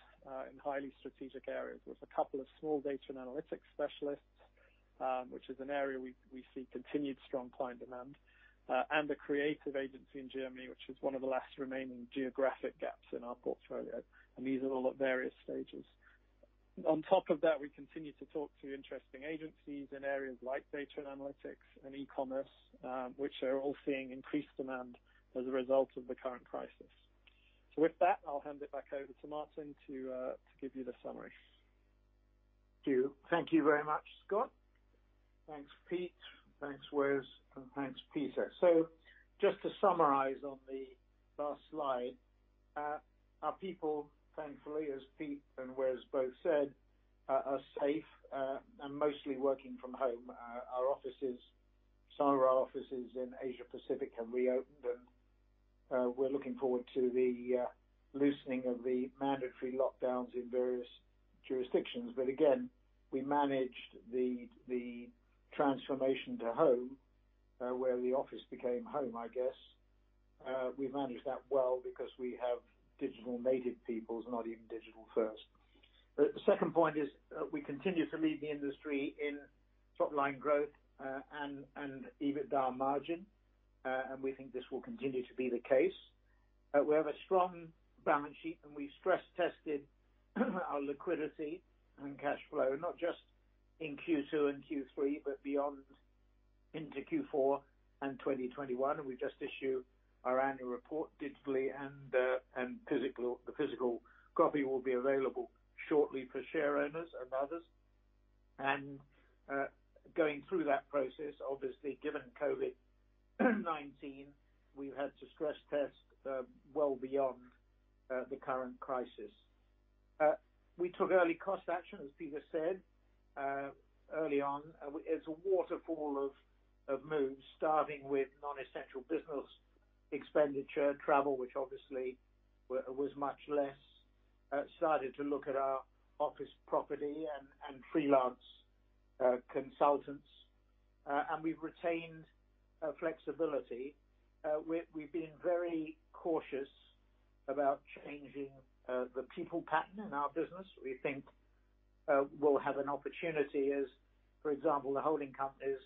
in highly strategic areas with a couple of small data and analytics specialists, which is an area we see continued strong client demand, and a creative agency in Germany, which is one of the last remaining geographic gaps in our portfolio, and these are all at various stages. On top of that, we continue to talk to interesting agencies in areas like data and analytics and e-commerce, which are all seeing increased demand as a result of the current crisis. With that, I'll hand it back over to Martin to give you the summary. Thank you very much, Scott. Thanks, Pete. Thanks, Wes, and thanks, Peter. Just to summarize on the last slide. Our people, thankfully, as Pete and Wes both said, are safe and mostly working from home. Some of our offices in Asia Pacific have reopened, and we're looking forward to the loosening of the mandatory lockdowns in various jurisdictions. Again, we managed the transformation to home, where the office became home, I guess. We managed that well because we have digital native peoples, not even digital first. The second point is we continue to lead the industry in top line growth and EBITDA margin, and we think this will continue to be the case. We have a strong balance sheet, and we stress tested our liquidity and cash flow, not just in Q2 and Q3, but beyond into Q4 and 2021. We just issued our annual report digitally, and the physical copy will be available shortly for share owners and others. Going through that process, obviously, given COVID-19, we've had to stress test well beyond the current crisis. We took early cost action, as Peter said, early on as a waterfall of moves, starting with non-essential business expenditure, travel, which obviously was much less. Started to look at our office property and freelance consultants. We've retained flexibility. We've been very cautious about changing the people pattern in our business. We think we'll have an opportunity as, for example, the holding companies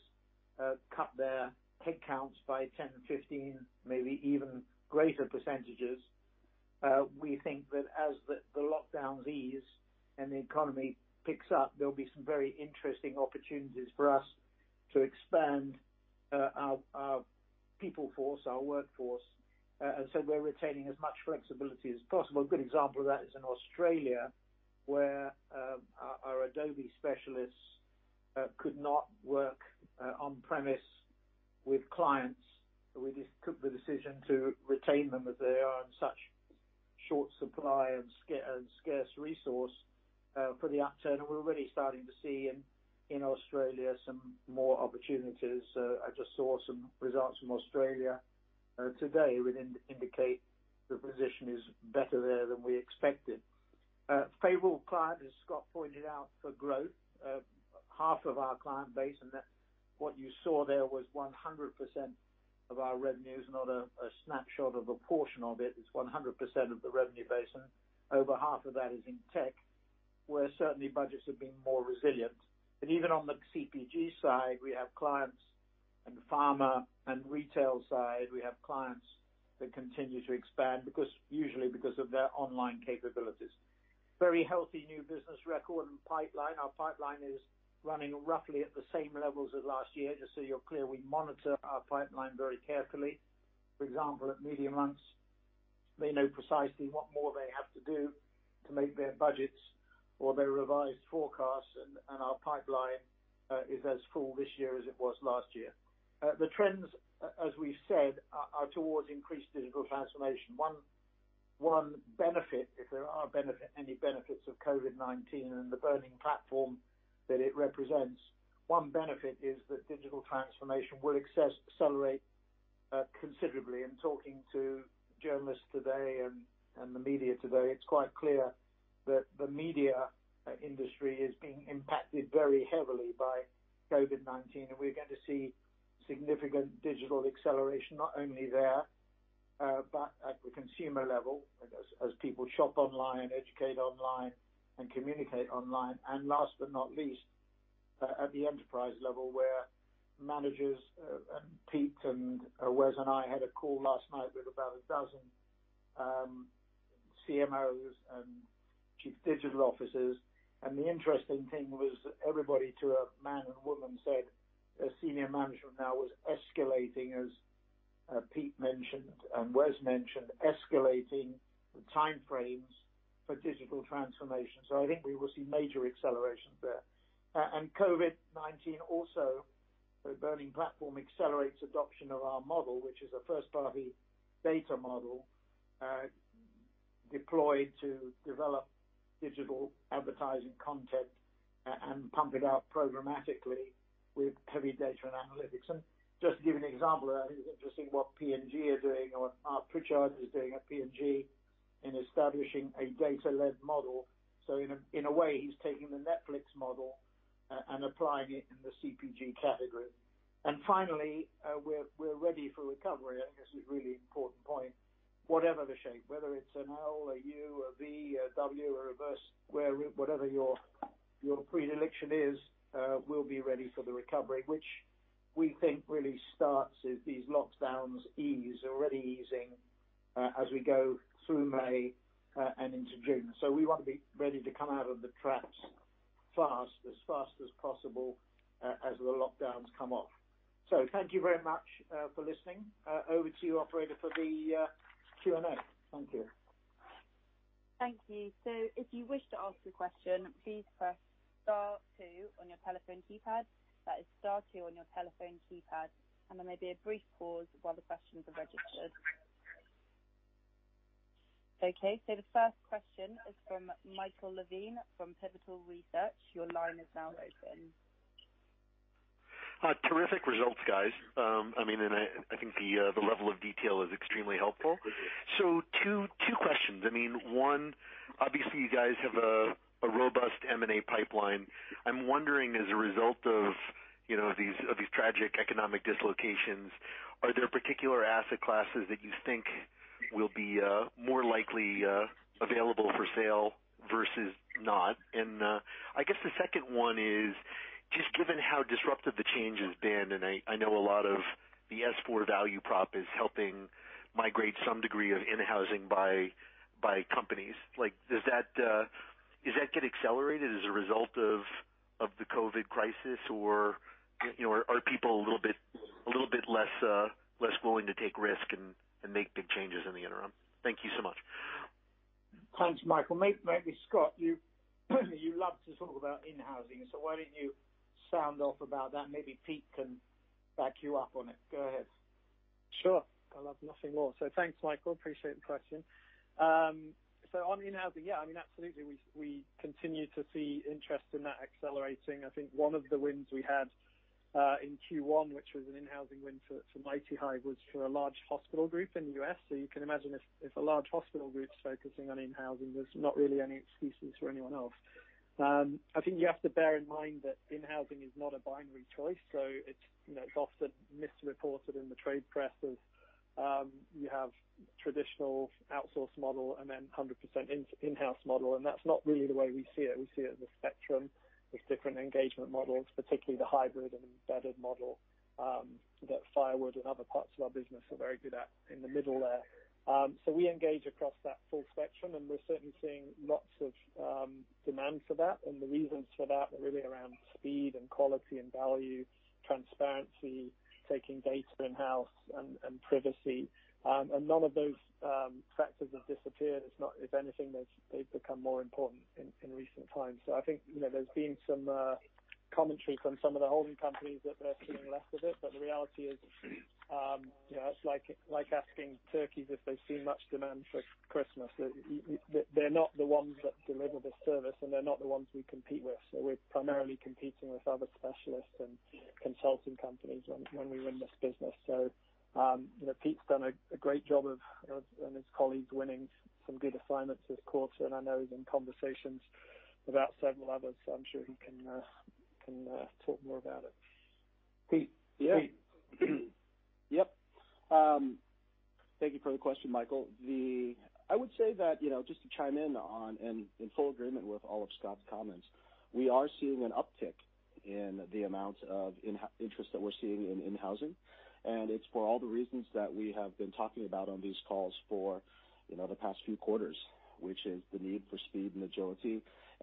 cut their headcounts by 10%, 15%, maybe even greater percentages. We think that as the lockdowns ease and the economy picks up, there'll be some very interesting opportunities for us to expand our people force, our workforce. We're retaining as much flexibility as possible. A good example of that is in Australia, where our Adobe specialists could not work on premise with clients. We took the decision to retain them as they are in such short supply and scarce resource for the upturn. We're already starting to see in Australia some more opportunities. I just saw some results from Australia today would indicate the position is better there than we expected. Favorable client, as Scott pointed out, for growth. Half of our client base, and what you saw there was 100% of our revenues, not a snapshot of a portion of it. It's 100% of the revenue base, and over half of that is in tech, where certainly budgets have been more resilient. Even on the CPG side, we have clients in the pharma and retail side. We have clients that continue to expand, usually because of their online capabilities. Very healthy new business record and pipeline. Our pipeline is running roughly at the same levels as last year. Just so you're clear, we monitor our pipeline very carefully. For example, at MediaMonks, they know precisely what more they have to do to make their budgets or their revised forecasts, and our pipeline is as full this year as it was last year. The trends, as we've said, are towards increased digital transformation. One benefit, if there are any benefits of COVID-19 and the burning platform that it represents, one benefit is that digital transformation will accelerate considerably. In talking to journalists today and the media today, it's quite clear that the media industry is being impacted very heavily by COVID-19, and we're going to see significant digital acceleration, not only there, but at the consumer level as people shop online, educate online, and communicate online. last but not least, at the enterprise level, where managers, Pete and Wes and I had a call last night with about a dozen CMOs and chief digital officers, and the interesting thing was everybody to a man and woman said senior management now was escalating, as Pete mentioned and Wes mentioned, escalating the time frames for digital transformation. I think we will see major accelerations there. COVID-19 also, the burning platform accelerates adoption of our model, which is a first-party data model, deployed to develop digital advertising content and pump it out programmatically with heavy data and analytics. just to give you an example of that, it is interesting what P&G are doing, or Marc Pritchard is doing at P&G in establishing a data-led model. in a way, he's taking the Netflix model and applying it in the CPG category. Finally, we're ready for recovery. I think this is a really important point. Whatever the shape, whether it's an L, a U, a V, a W, a reverse, whatever your predilection is, we'll be ready for the recovery, which we think really starts as these lockdowns ease, already easing, as we go through May and into June. We want to be ready to come out of the traps fast, as fast as possible, as the lockdowns come off. Thank you very much for listening. Over to you, operator, for the Q&A. Thank you. Thank you. If you wish to ask a question, please press star two on your telephone keypad. That is star two on your telephone keypad, and there may be a brief pause while the questions are registered. Okay. The first question is from Michael Levine from Pivotal Research. Your line is now open. Terrific results, guys. I think the level of detail is extremely helpful. Two questions. One, obviously, you guys have a robust M&A pipeline. I'm wondering as a result of these tragic economic dislocations, are there particular asset classes that you think will be more likely available for sale versus not? I guess the second one is just given how disruptive the change has been, and I know a lot of the S4 value prop is helping migrate some degree of in-housing by companies. Does that get accelerated as a result of the COVID crisis, or are people a little bit less willing to take risk and make big changes in the interim? Thank you so much. Thanks, Michael. Maybe Scott, you love to talk about in-housing, so why don't you sound off about that, maybe Pete can back you up on it. Go ahead. Sure. I love nothing more. Thanks, Michael. Appreciate the question. On in-housing. Yeah, absolutely, we continue to see interest in that accelerating. I think one of the wins we had in Q1, which was an in-housing win for MightyHive, was for a large hospital group in the U.S. You can imagine if a large hospital group's focusing on in-housing, there's not really any excuses for anyone else. I think you have to bear in mind that in-housing is not a binary choice, so it's often misreported in the trade press as you have traditional outsource model and then 100% in-house model, and that's not really the way we see it. We see it as a spectrum with different engagement models, particularly the hybrid and embedded model, that Firewood and other parts of our business are very good at in the middle there. We engage across that full spectrum, and we're certainly seeing lots of demand for that. The reasons for that are really around speed and quality and value, transparency, taking data in-house, and privacy. None of those factors have disappeared. If anything, they've become more important in recent times. I think there's been some commentary from some of the holding companies that they're seeing less of it, but the reality is it's like asking turkeys if they see much demand for Christmas. They're not the ones that deliver the service, and they're not the ones we compete with. We're primarily competing with other specialists and consulting companies when we win this business. Pete's done a great job of, and his colleagues, winning some good assignments this quarter, and I know he's in conversations about several others. I'm sure he can talk more about it. Pete. Yeah. Pete. Yep. Thank you for the question, Michael. I would say that, just to chime in on and in full agreement with all of Scott's comments, we are seeing an uptick in the amount of interest that we're seeing in in-housing. It's for all the reasons that we have been talking about on these calls for the past few quarters, which is the need for speed and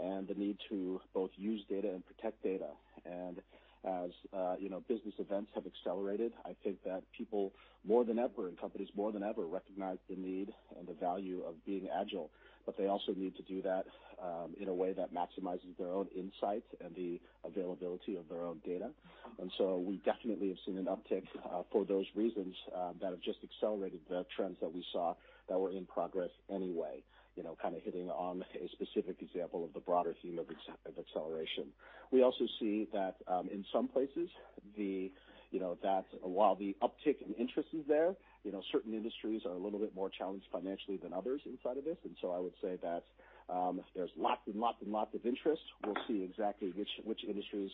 agility and the need to both use data and protect data. As business events have accelerated, I think that people, more than ever, and companies more than ever, recognize the need and the value of being agile. They also need to do that in a way that maximizes their own insight and the availability of their own data. we definitely have seen an uptick for those reasons that have just accelerated the trends that we saw that were in progress anyway, kind of hitting on a specific example of the broader theme of acceleration. We also see that in some places, that while the uptick in interest is there, certain industries are a little bit more challenged financially than others inside of this. I would say that there's lots and lots of interest. We'll see exactly which industries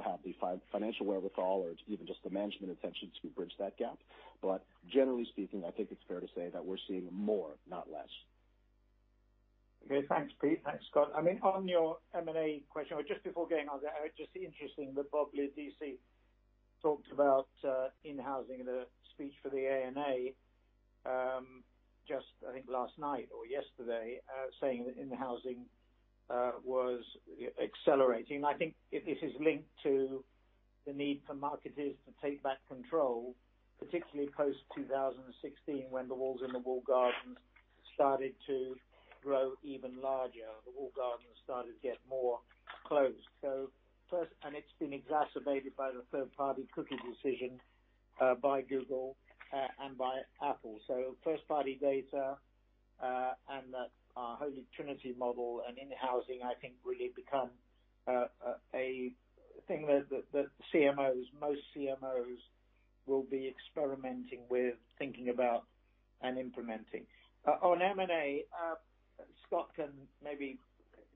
have the financial wherewithal or even just the management attention to bridge that gap. generally speaking, I think it's fair to say that we're seeing more, not less. Okay. Thanks, Pete. Thanks, Scott. On your M&A question, or just before getting on that, just interesting that Bob Liodice talked about in-housing the speech for the ANA just, I think, last night or yesterday, saying that in-housing was accelerating. I think this is linked to the need for marketers to take back control, particularly post-2016, when the walls in the walled gardens started to grow even larger. The walled gardens started to get more closed. It's been exacerbated by the third-party cookie decision by Google and by Apple. First-party data and that Holy Trinity model and in-housing, I think really become a thing that most CMOs will be experimenting with thinking about and implementing. On M&A, Scott can maybe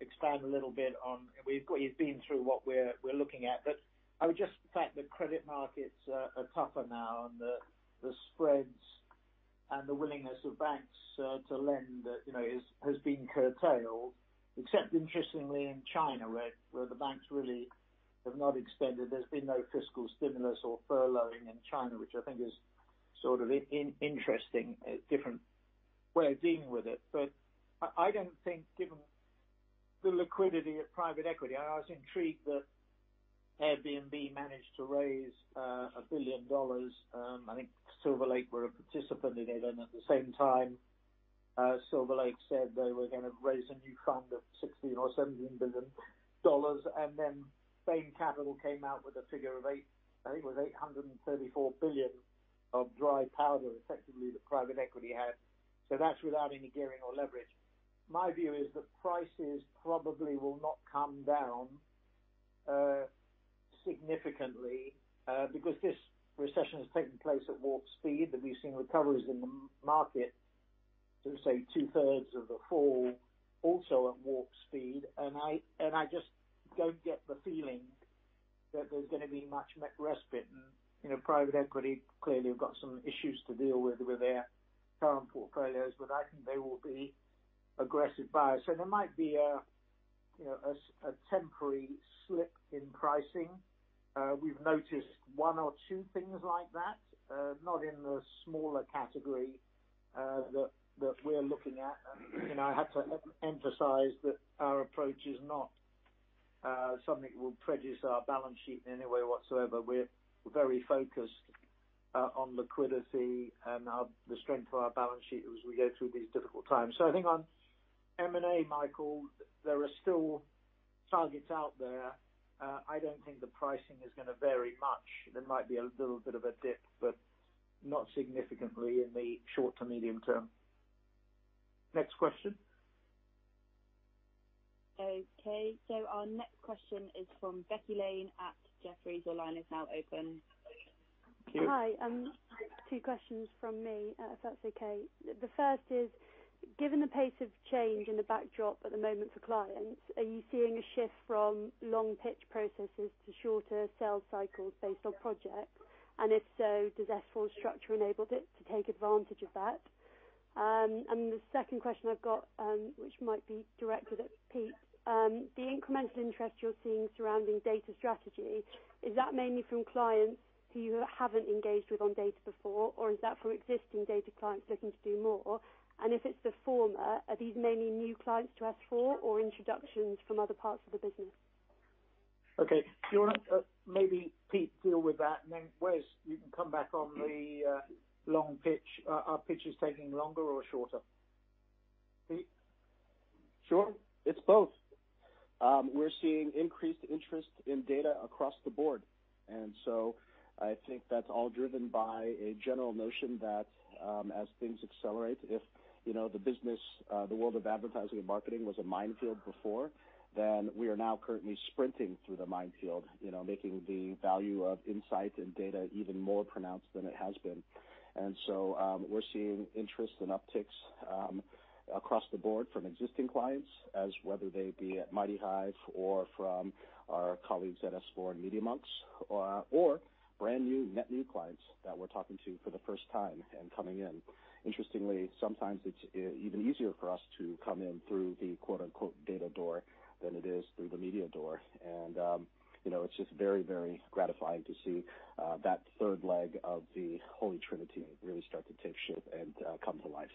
expand a little bit on, you've been through what we're looking at, but I would just the fact the credit markets are tougher now and the spreads and the willingness of banks to lend has been curtailed. Except interestingly in China, where the banks really have not extended. There's been no fiscal stimulus or furloughing in China, which I think is sort of interesting, a different way of dealing with it. I don't think given the liquidity of private equity, I was intrigued that Airbnb managed to raise $1 billion. I think Silver Lake were a participant in it. At the same time, Silver Lake said they were going to raise a new fund of $16 billion-$17 billion. Bain Capital came out with a figure of eight, I think it was 834 billion of dry powder, effectively, the private equity had. That's without any gearing or leverage. My view is that prices probably will not come down significantly because this recession has taken place at warp speed, and we've seen recoveries in the market to say two-thirds of the fall also at warp speed. I just don't get the feeling that there's going to be much respite. Private equity clearly have got some issues to deal with their current portfolios, but I think they will be aggressive buyers. There might be a temporary slip in pricing. We've noticed one or two things like that, not in the smaller category that we're looking at. I have to emphasize that our approach is not something that will prejudice our balance sheet in any way whatsoever. We're very focused on liquidity and the strength of our balance sheet as we go through these difficult times. I think on M&A, Michael, there are still targets out there. I don't think the pricing is going to vary much. There might be a little bit of a dip, but not significantly in the short to medium term. Next question. Okay. Our next question is from Becky Lane at Jefferies. Your line is now open. Becky. Hi. Two questions from me, if that's okay. The first is, given the pace of change in the backdrop at the moment for clients, are you seeing a shift from long pitch processes to shorter sales cycles based on project? If so, does S4's structure enable it to take advantage of that? The second question I've got, which might be directed at Pete, the incremental interest you're seeing surrounding data strategy, is that mainly from clients who you haven't engaged with on data before, or is that from existing data clients looking to do more? If it's the former, are these mainly new clients to S4 or introductions from other parts of the business? Okay. Do you want to maybe, Pete, deal with that, and then Wes, you can come back on the long pitch. Are pitches taking longer or shorter? Pete? Sure. It's both. We're seeing increased interest in data across the board, and so I think that's all driven by a general notion that as things accelerate, if the world of advertising and marketing was a minefield before, then we are now currently sprinting through the minefield, making the value of insight and data even more pronounced than it has been. We're seeing interest and upticks across the board from existing clients, as whether they be at MightyHive or from our colleagues at S4 and MediaMonks, or brand new, net new clients that we're talking to for the first time and coming in. Interestingly, sometimes it's even easier for us to come in through the "data door" than it is through the media door. It's just very gratifying to see that third leg of the Holy Trinity really start to take shape and come to life.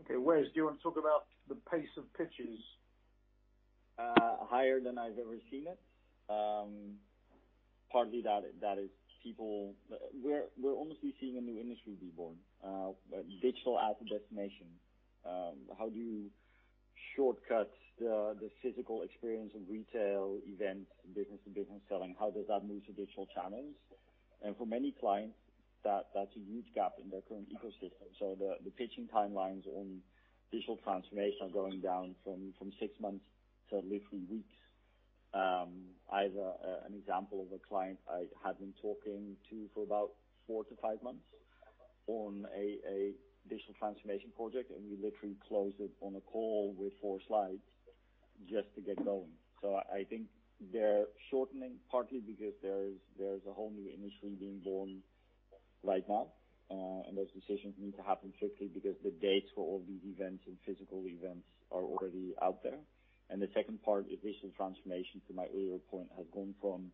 Okay, Wes, do you want to talk about the pace of pitches? Higher than I've ever seen it. We're honestly seeing a new industry be born, digital as a destination. How do you shortcut the physical experience of retail, events, business to business selling? How does that move to digital channels? For many clients, that's a huge gap in their current ecosystem. The pitching timelines on digital transformation are going down from six months to literally weeks. I have an example of a client I had been talking to for about four to five months on a digital transformation project, and we literally closed it on a call with four slides just to get going. I think they're shortening partly because there's a whole new industry being born right now, and those decisions need to happen quickly because the dates for all these events and physical events are already out there. the second part is digital transformation, to my earlier point, has gone from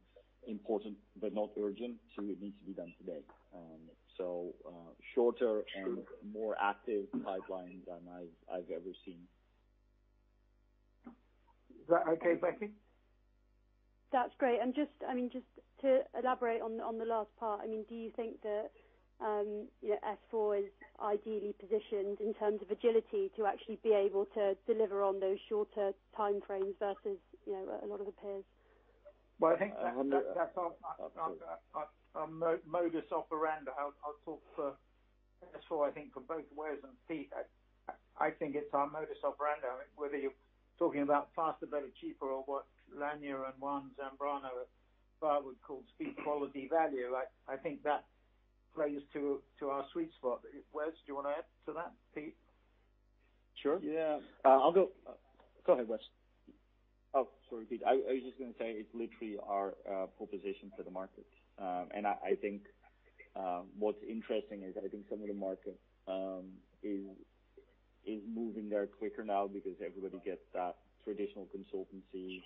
important but not urgent to it needs to be done today. shorter and more active pipeline than I've ever seen. Is that okay, Becky? That's great. Just to elaborate on the last part, do you think that S4 is ideally positioned in terms of agility to actually be able to deliver on those shorter time frames versus a lot of the peers? Well, I think that's our modus operandi. I'll talk for S4, I think for both Wes and Pete, I think it's our modus operandi, whether you're talking about faster, better, cheaper, or what Lanya and Juan Zambrano at Firewood would call speed, quality, value. I think that plays to our sweet spot. Wes, do you want to add to that? Pete? Sure. Yeah. I'll go. Go ahead, Wes. Oh, sorry, Pete. I was just going to say it's literally our proposition to the market. I think what's interesting is I think some of the market is moving there quicker now because everybody gets that traditional consultancy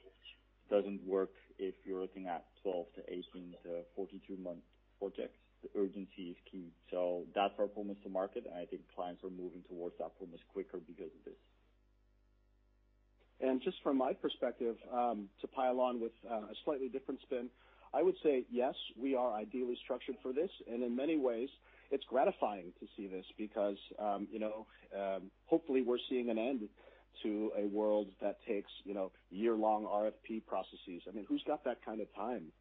doesn't work if you're looking at 12 to 18 to 42-month projects. The urgency is key. That's our promise to market, and I think clients are moving towards that promise quicker because of this. just from my perspective, to pile on with a slightly different spin, I would say, yes, we are ideally structured for this, and in many ways it's gratifying to see this because hopefully we're seeing an end to a world that takes year-long RFP processes. I mean, who's got that kind of time?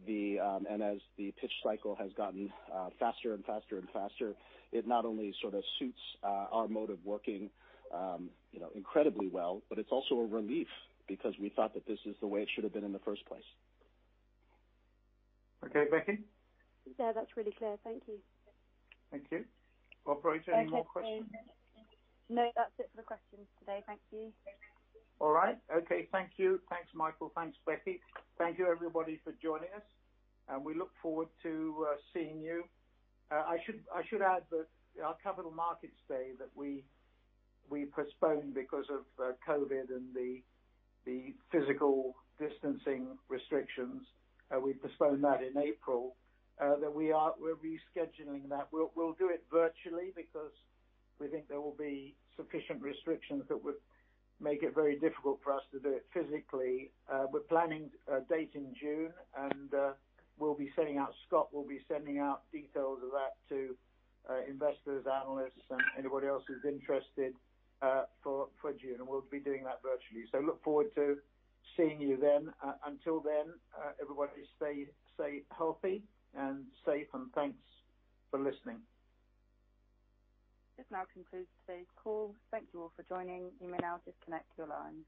as the pitch cycle has gotten faster and faster and faster, it not only sort of suits our mode of working incredibly well, but it's also a relief because we thought that this is the way it should have been in the first place. Okay, Becky? Yeah, that's really clear. Thank you. Thank you. Operator, any more questions? No, that's it for the questions today. Thank you. All right. Okay. Thank you. Thanks, Michael. Thanks, Becky. Thank you, everybody, for joining us, and we look forward to seeing you. I should add that our capital markets day that we postponed because of COVID and the physical distancing restrictions, we postponed that in April, that we're rescheduling that. We'll do it virtually because we think there will be sufficient restrictions that would make it very difficult for us to do it physically. We're planning a date in June, and Scott will be sending out details of that to investors, analysts, and anybody else who's interested for June, and we'll be doing that virtually. Look forward to seeing you then. Until then, everybody stay healthy and safe, and thanks for listening. This now concludes today's call. Thank you all for joining. You may now disconnect your line.